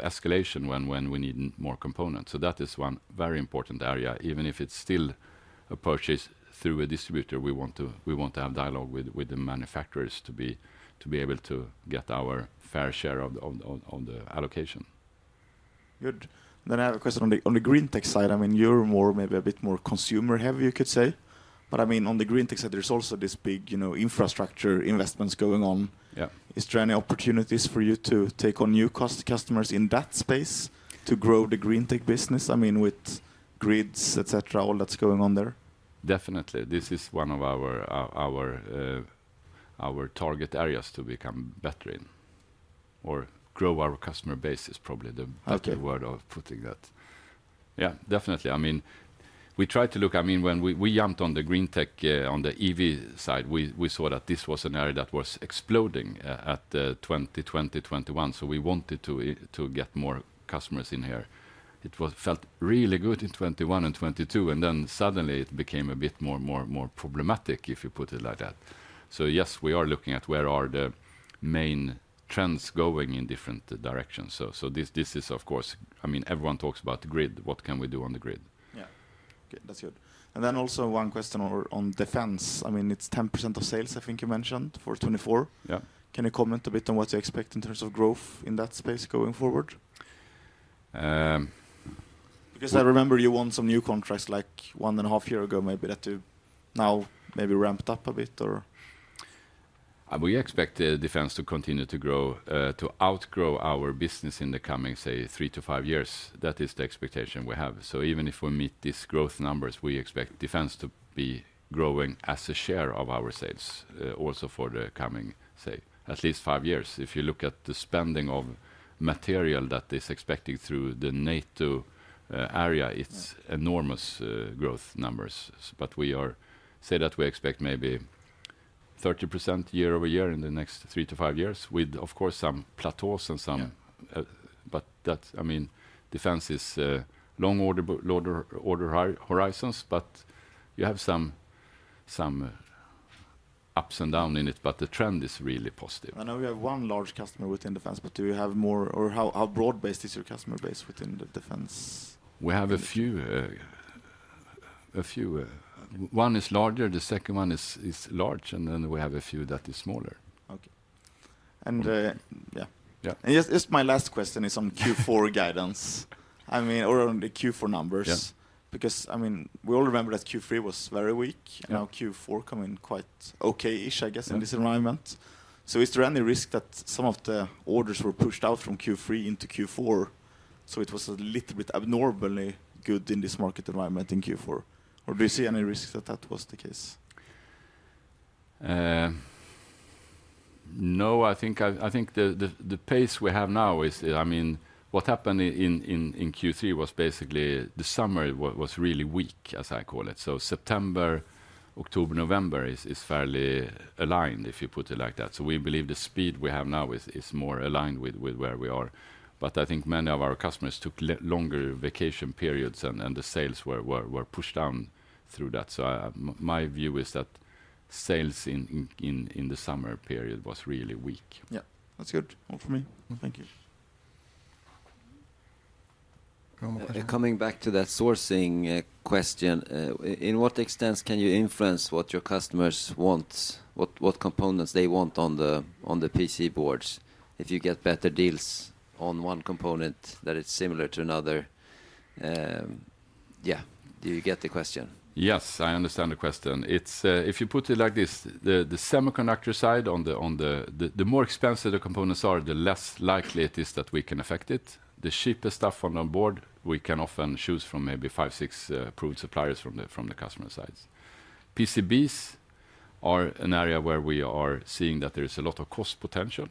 escalation when we need more components. So that is one very important area. Even if it's still a purchase through a distributor, we want to have dialogue with the manufacturers to be able to get our fair share of the allocation. Good. Then I have a question on the Greentech side. I mean, you're maybe a bit more consumer-heavy, you could say. But I mean, on the Greentech side, there's also this big infrastructure investments going on. Is there any opportunities for you to take on new customers in that space to grow the Greentech business, I mean, with grids, etc., all that's going on there? Definitely. This is one of our target areas to become better in or grow our customer base, is probably the word of putting that. Yeah, definitely. I mean, we try to look. I mean, when we jumped on the Greentech on the EV side, we saw that this was an area that was exploding at 2020, 2021. So we wanted to get more customers in here. It felt really good in 2021 and 2022. And then suddenly, it became a bit more problematic, if you put it like that. So yes, we are looking at where are the main trends going in different directions. So this is, of course, I mean, everyone talks about the grid. What can we do on the grid? Yeah. Okay. That's good. And then also one question on defense. I mean, it's 10% of sales, I think you mentioned, for 2024. Can you comment a bit on what you expect in terms of growth in that space going forward? Because I remember you won some new contracts like one and a half years ago, maybe, that you now maybe ramped up a bit or? We expect defense to continue to grow, to outgrow our business in the coming, say, three to five years. That is the expectation we have. So even if we meet these growth numbers, we expect defense to be growing as a share of our sales also for the coming, say, at least five years. If you look at the spending of material that is expected through the NATO area, it's enormous growth numbers. We say that we expect maybe 30% year-over-year in the next three to five years with, of course, some plateaus and some. That, I mean, defense is long order horizons. You have some ups and downs in it. The trend is really positive. I know you have one large customer within defense. Do you have more, or how broad-based is your customer base within the defense? We have a few. One is larger. The second one is large. Then we have a few that are smaller. Okay. Yeah. Just my last question is on Q4 guidance, I mean, or on the Q4 numbers. Because, I mean, we all remember that Q3 was very weak. Now Q4 coming quite okay-ish, I guess, in this environment. Is there any risk that some of the orders were pushed out from Q3 into Q4? So it was a little bit abnormally good in this market environment in Q4. Or do you see any risk that that was the case? No. I think the pace we have now is, I mean, what happened in Q3 was basically the summer was really weak, as I call it. So September, October, November is fairly aligned, if you put it like that. So we believe the speed we have now is more aligned with where we are. But I think many of our customers took longer vacation periods, and the sales were pushed down through that. So my view is that sales in the summer period was really weak. Yeah. That's good. All for me. Thank you. Coming back to that sourcing question, in what extent can you influence what your customers want, what components they want on the PC boards? If you get better deals on one component that is similar to another, yeah. Do you get the question? Yes, I understand the question. If you put it like this, the semiconductor side, the more expensive the components are, the less likely it is that we can affect it. The cheapest stuff on the board, we can often choose from maybe five, six approved suppliers from the customer sides. PCBs are an area where we are seeing that there is a lot of cost potential.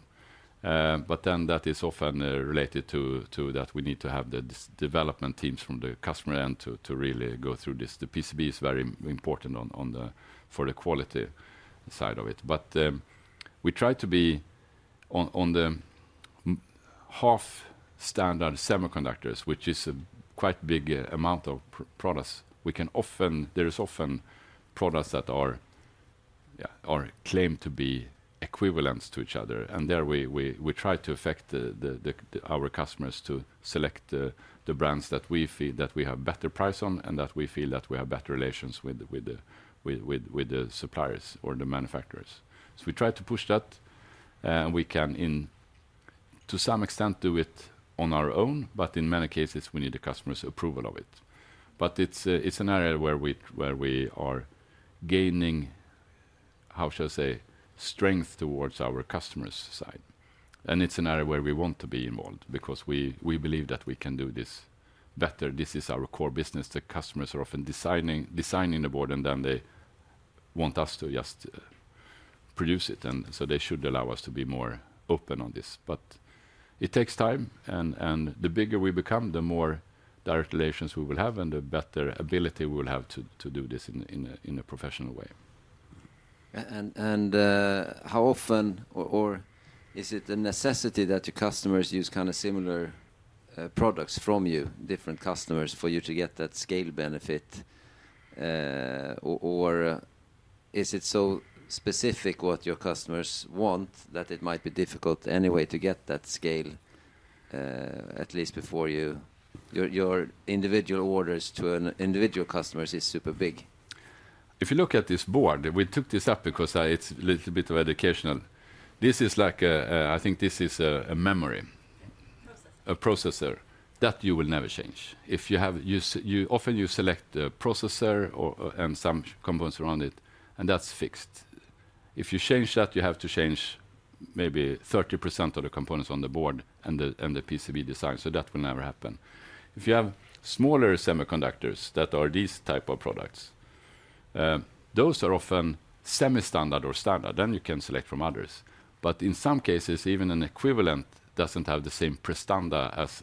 But then that is often related to that we need to have the development teams from the customer end to really go through this. The PCB is very important for the quality side of it. But we try to be on the half-standard semiconductors, which is a quite big amount of products. There are often products that claim to be equivalents to each other. There we try to affect our customers to select the brands that we feel that we have better price on and that we feel that we have better relations with the suppliers or the manufacturers. So we try to push that. We can, to some extent, do it on our own. But in many cases, we need the customer's approval of it. But it's an area where we are gaining, how shall I say, strength towards our customers' side. And it's an area where we want to be involved because we believe that we can do this better. This is our core business. The customers are often designing the board, and then they want us to just produce it. And so they should allow us to be more open on this. But it takes time. The bigger we become, the more direct relations we will have, and the better ability we will have to do this in a professional way. How often, or is it a necessity that your customers use kind of similar products from you, different customers, for you to get that scale benefit? Or is it so specific what your customers want that it might be difficult anyway to get that scale, at least before your individual orders to individual customers is super big? If you look at this board, we took this up because it's a little bit of educational. This is like, I think this is a memory. A processor. A processor that you will never change. If you have, often you select a processor and some components around it, and that's fixed. If you change that, you have to change maybe 30% of the components on the board and the PCB design. So that will never happen. If you have smaller semiconductors that are these type of products, those are often semi-standard or standard. Then you can select from others. But in some cases, even an equivalent doesn't have the same performance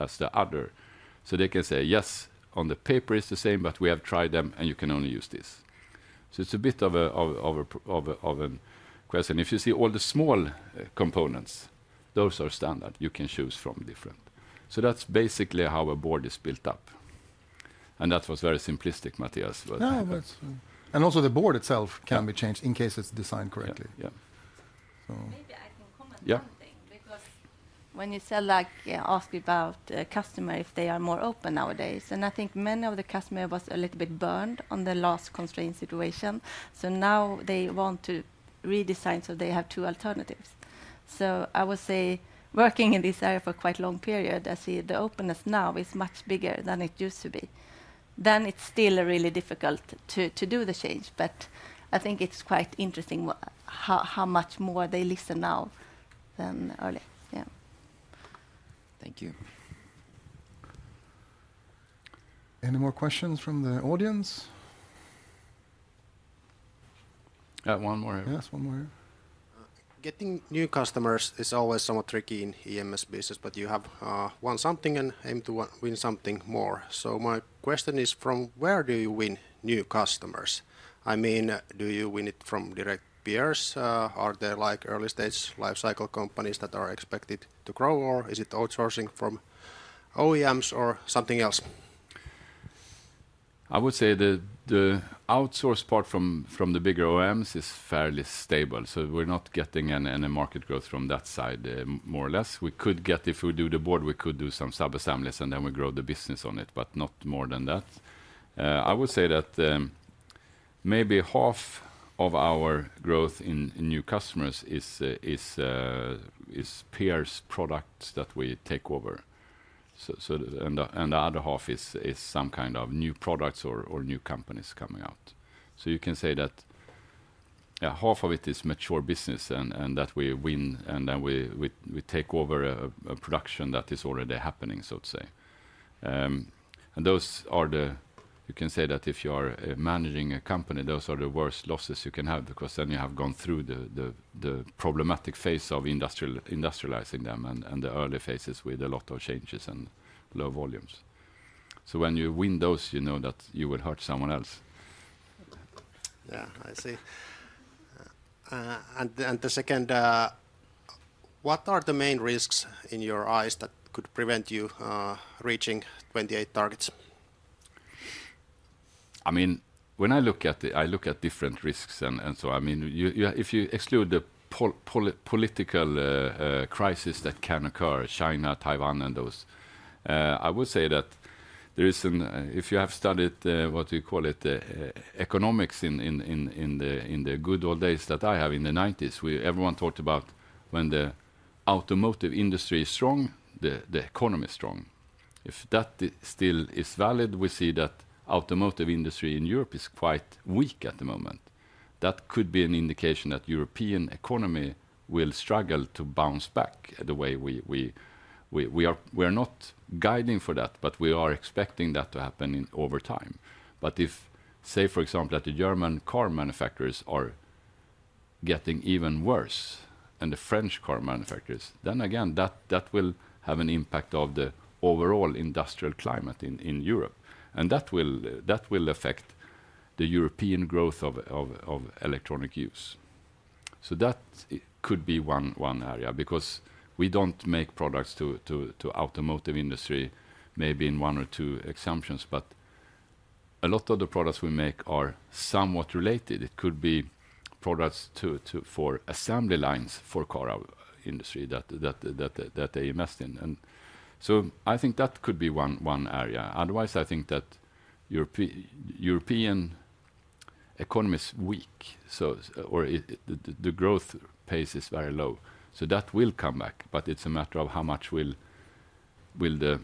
as the other. So they can say, yes, on the paper it's the same, but we have tried them, and you can only use this. So it's a bit of a question. If you see all the small components, those are standard. You can choose from different. So that's basically how a board is built up, and that was very simplistic, Mathias. No, that's fine, and also the board itself can be changed in case it's designed correctly. Yeah. Maybe I can comment one thing because when you said ask about customers if they are more open nowadays, and I think many of the customers were a little bit burned on the last constraint situation. So now they want to redesign so they have two alternatives. So I would say working in this area for quite a long period, I see the openness now is much bigger than it used to be. Then it's still really difficult to do the change. But I think it's quite interesting how much more they listen now than earlier. Yeah. Thank you. Any more questions from the audience? One more. Yes, one more. Getting new customers is always somewhat tricky in EMS business, but you have won something and aim to win something more. So my question is, from where do you win new customers? I mean, do you win it from direct peers? Are there early-stage life cycle companies that are expected to grow, or is it outsourcing from OEMs or something else? I would say the outsourcing part from the bigger OEMs is fairly stable. So we're not getting any market growth from that side, more or less. If we do the board, we could do some sub-assemblies, and then we grow the business on it, but not more than that. I would say that maybe half of our growth in new customers is peers' products that we take over. And the other half is some kind of new products or new companies coming out. So you can say that half of it is mature business and that we win, and then we take over a production that is already happening, so to say. And those are the, you can say that if you are managing a company, those are the worst losses you can have because then you have gone through the problematic phase of industrializing them and the early phases with a lot of changes and low volumes. So when you win those, you know that you will hurt someone else. Yeah, I see. And the second, what are the main risks in your eyes that could prevent you from reaching 2028 targets? I mean, when I look at it, I look at different risks. And so, I mean, if you exclude the political crisis that can occur, China, Taiwan, and those, I would say that there is an, if you have studied what you call it, economics in the good old days that I had in the 1990s, everyone talked about when the automotive industry is strong, the economy is strong. If that still is valid, we see that the automotive industry in Europe is quite weak at the moment. That could be an indication that the European economy will struggle to bounce back the way we are. We are not guiding for that, but we are expecting that to happen over time. But if, say, for example, that the German car manufacturers are getting even worse and the French car manufacturers, then again, that will have an impact on the overall Industrial climate in Europe. And that will affect the European growth of electronic use. So that could be one area because we don't make products for the automotive industry maybe in one or two exceptions, but a lot of the products we make are somewhat related. It could be products for assembly lines for the car industry that they invest in. And so I think that could be one area. Otherwise, I think that European economy is weak, or the growth pace is very low. So that will come back. But it's a matter of how much will the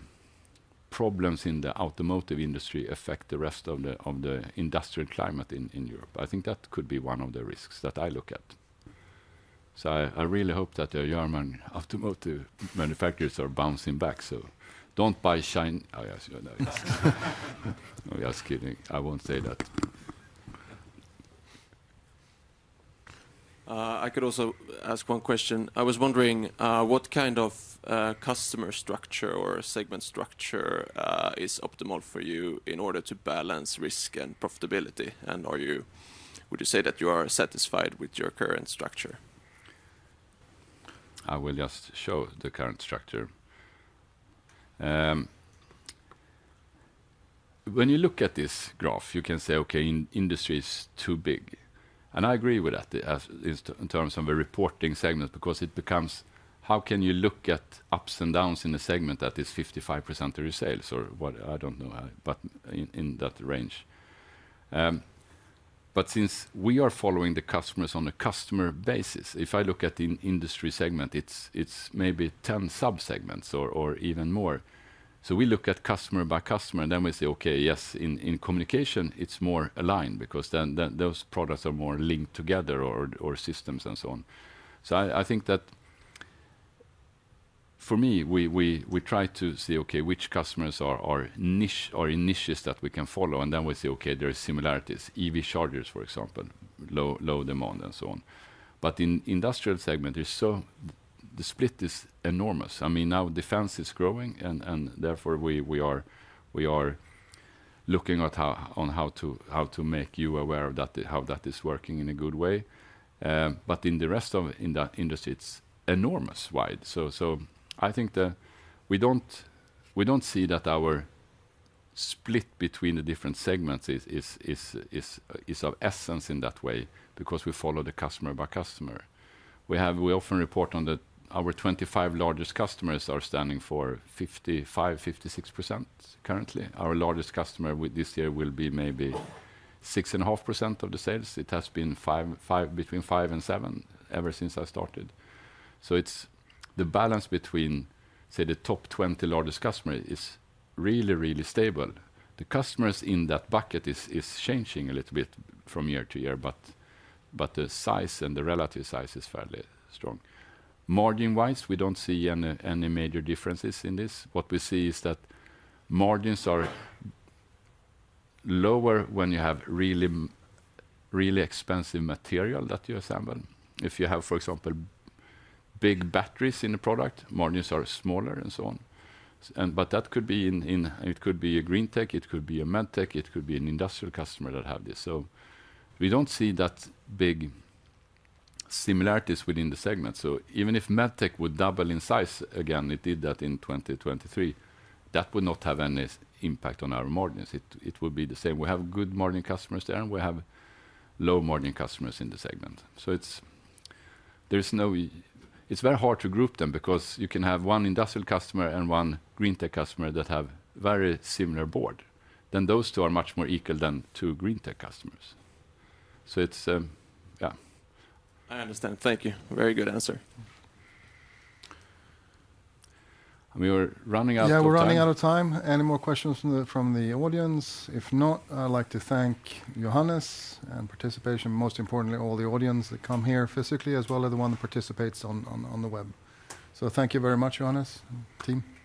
problems in the automotive industry affect the rest of the Industrial climate in Europe. I think that could be one of the risks that I look at. So I really hope that the German automotive manufacturers are bouncing back. So don't buy China. I was kidding. I won't say that. I could also ask one question. I was wondering what kind of customer structure or segment structure is optimal for you in order to balance risk and profitability. And would you say that you are satisfied with your current structure? I will just show the current structure. When you look at this graph, you can say, okay, industry is too big. I agree with that in terms of the reporting segment because it becomes, how can you look at ups and downs in a segment that is 55% of your sales or what? I don't know, but in that range. Since we are following the customers on a customer basis, if I look at the industry segment, it's maybe 10 sub-segments or even more. We look at customer by customer, and then we say, okay, yes, in communication, it's more aligned because then those products are more linked together or systems and so on. I think that for me, we try to see, okay, which customers are in niches that we can follow. Then we say, okay, there are similarities, EV chargers, for example, low demand and so on. In the Industrial segment, the split is enormous. I mean, now defense is growing, and therefore we are looking at how to make you aware of how that is working in a good way. But in the rest of that industry, it's enormous wide. So I think that we don't see that our split between the different segments is of essence in that way because we follow the customer by customer. We often report on that our 25 largest customers are standing for 55%-56% currently. Our largest customer this year will be maybe 6.5% of the sales. It has been between 5%-7% ever since I started. So the balance between, say, the top 20 largest customers is really, really stable. The customers in that bucket are changing a little bit from year to year, but the size and the relative size is fairly strong. Margin-wise, we don't see any major differences in this. What we see is that margins are lower when you have really expensive material that you assemble. If you have, for example, big batteries in a product, margins are smaller and so on. But that could be in, it could be a Greentech, it could be a medtech, it could be an Industrial customer that has this. So we don't see that big similarities within the segment. So even if medtech would double in size, again, it did that in 2023, that would not have any impact on our margins. It would be the same. We have good margin customers there, and we have low margin customers in the segment. So it's very hard to group them because you can have one Industrial customer and one Greentech customer that have a very similar board. Then those two are much more equal than two Greentech customers. I understand. Thank you. Very good answer. We're running out of time. Any more questions from the audience? If not, I'd like to thank Johannes and participation, most importantly, all the audience that come here physically, as well as the one that participates on the web, so thank you very much, Johannes, team.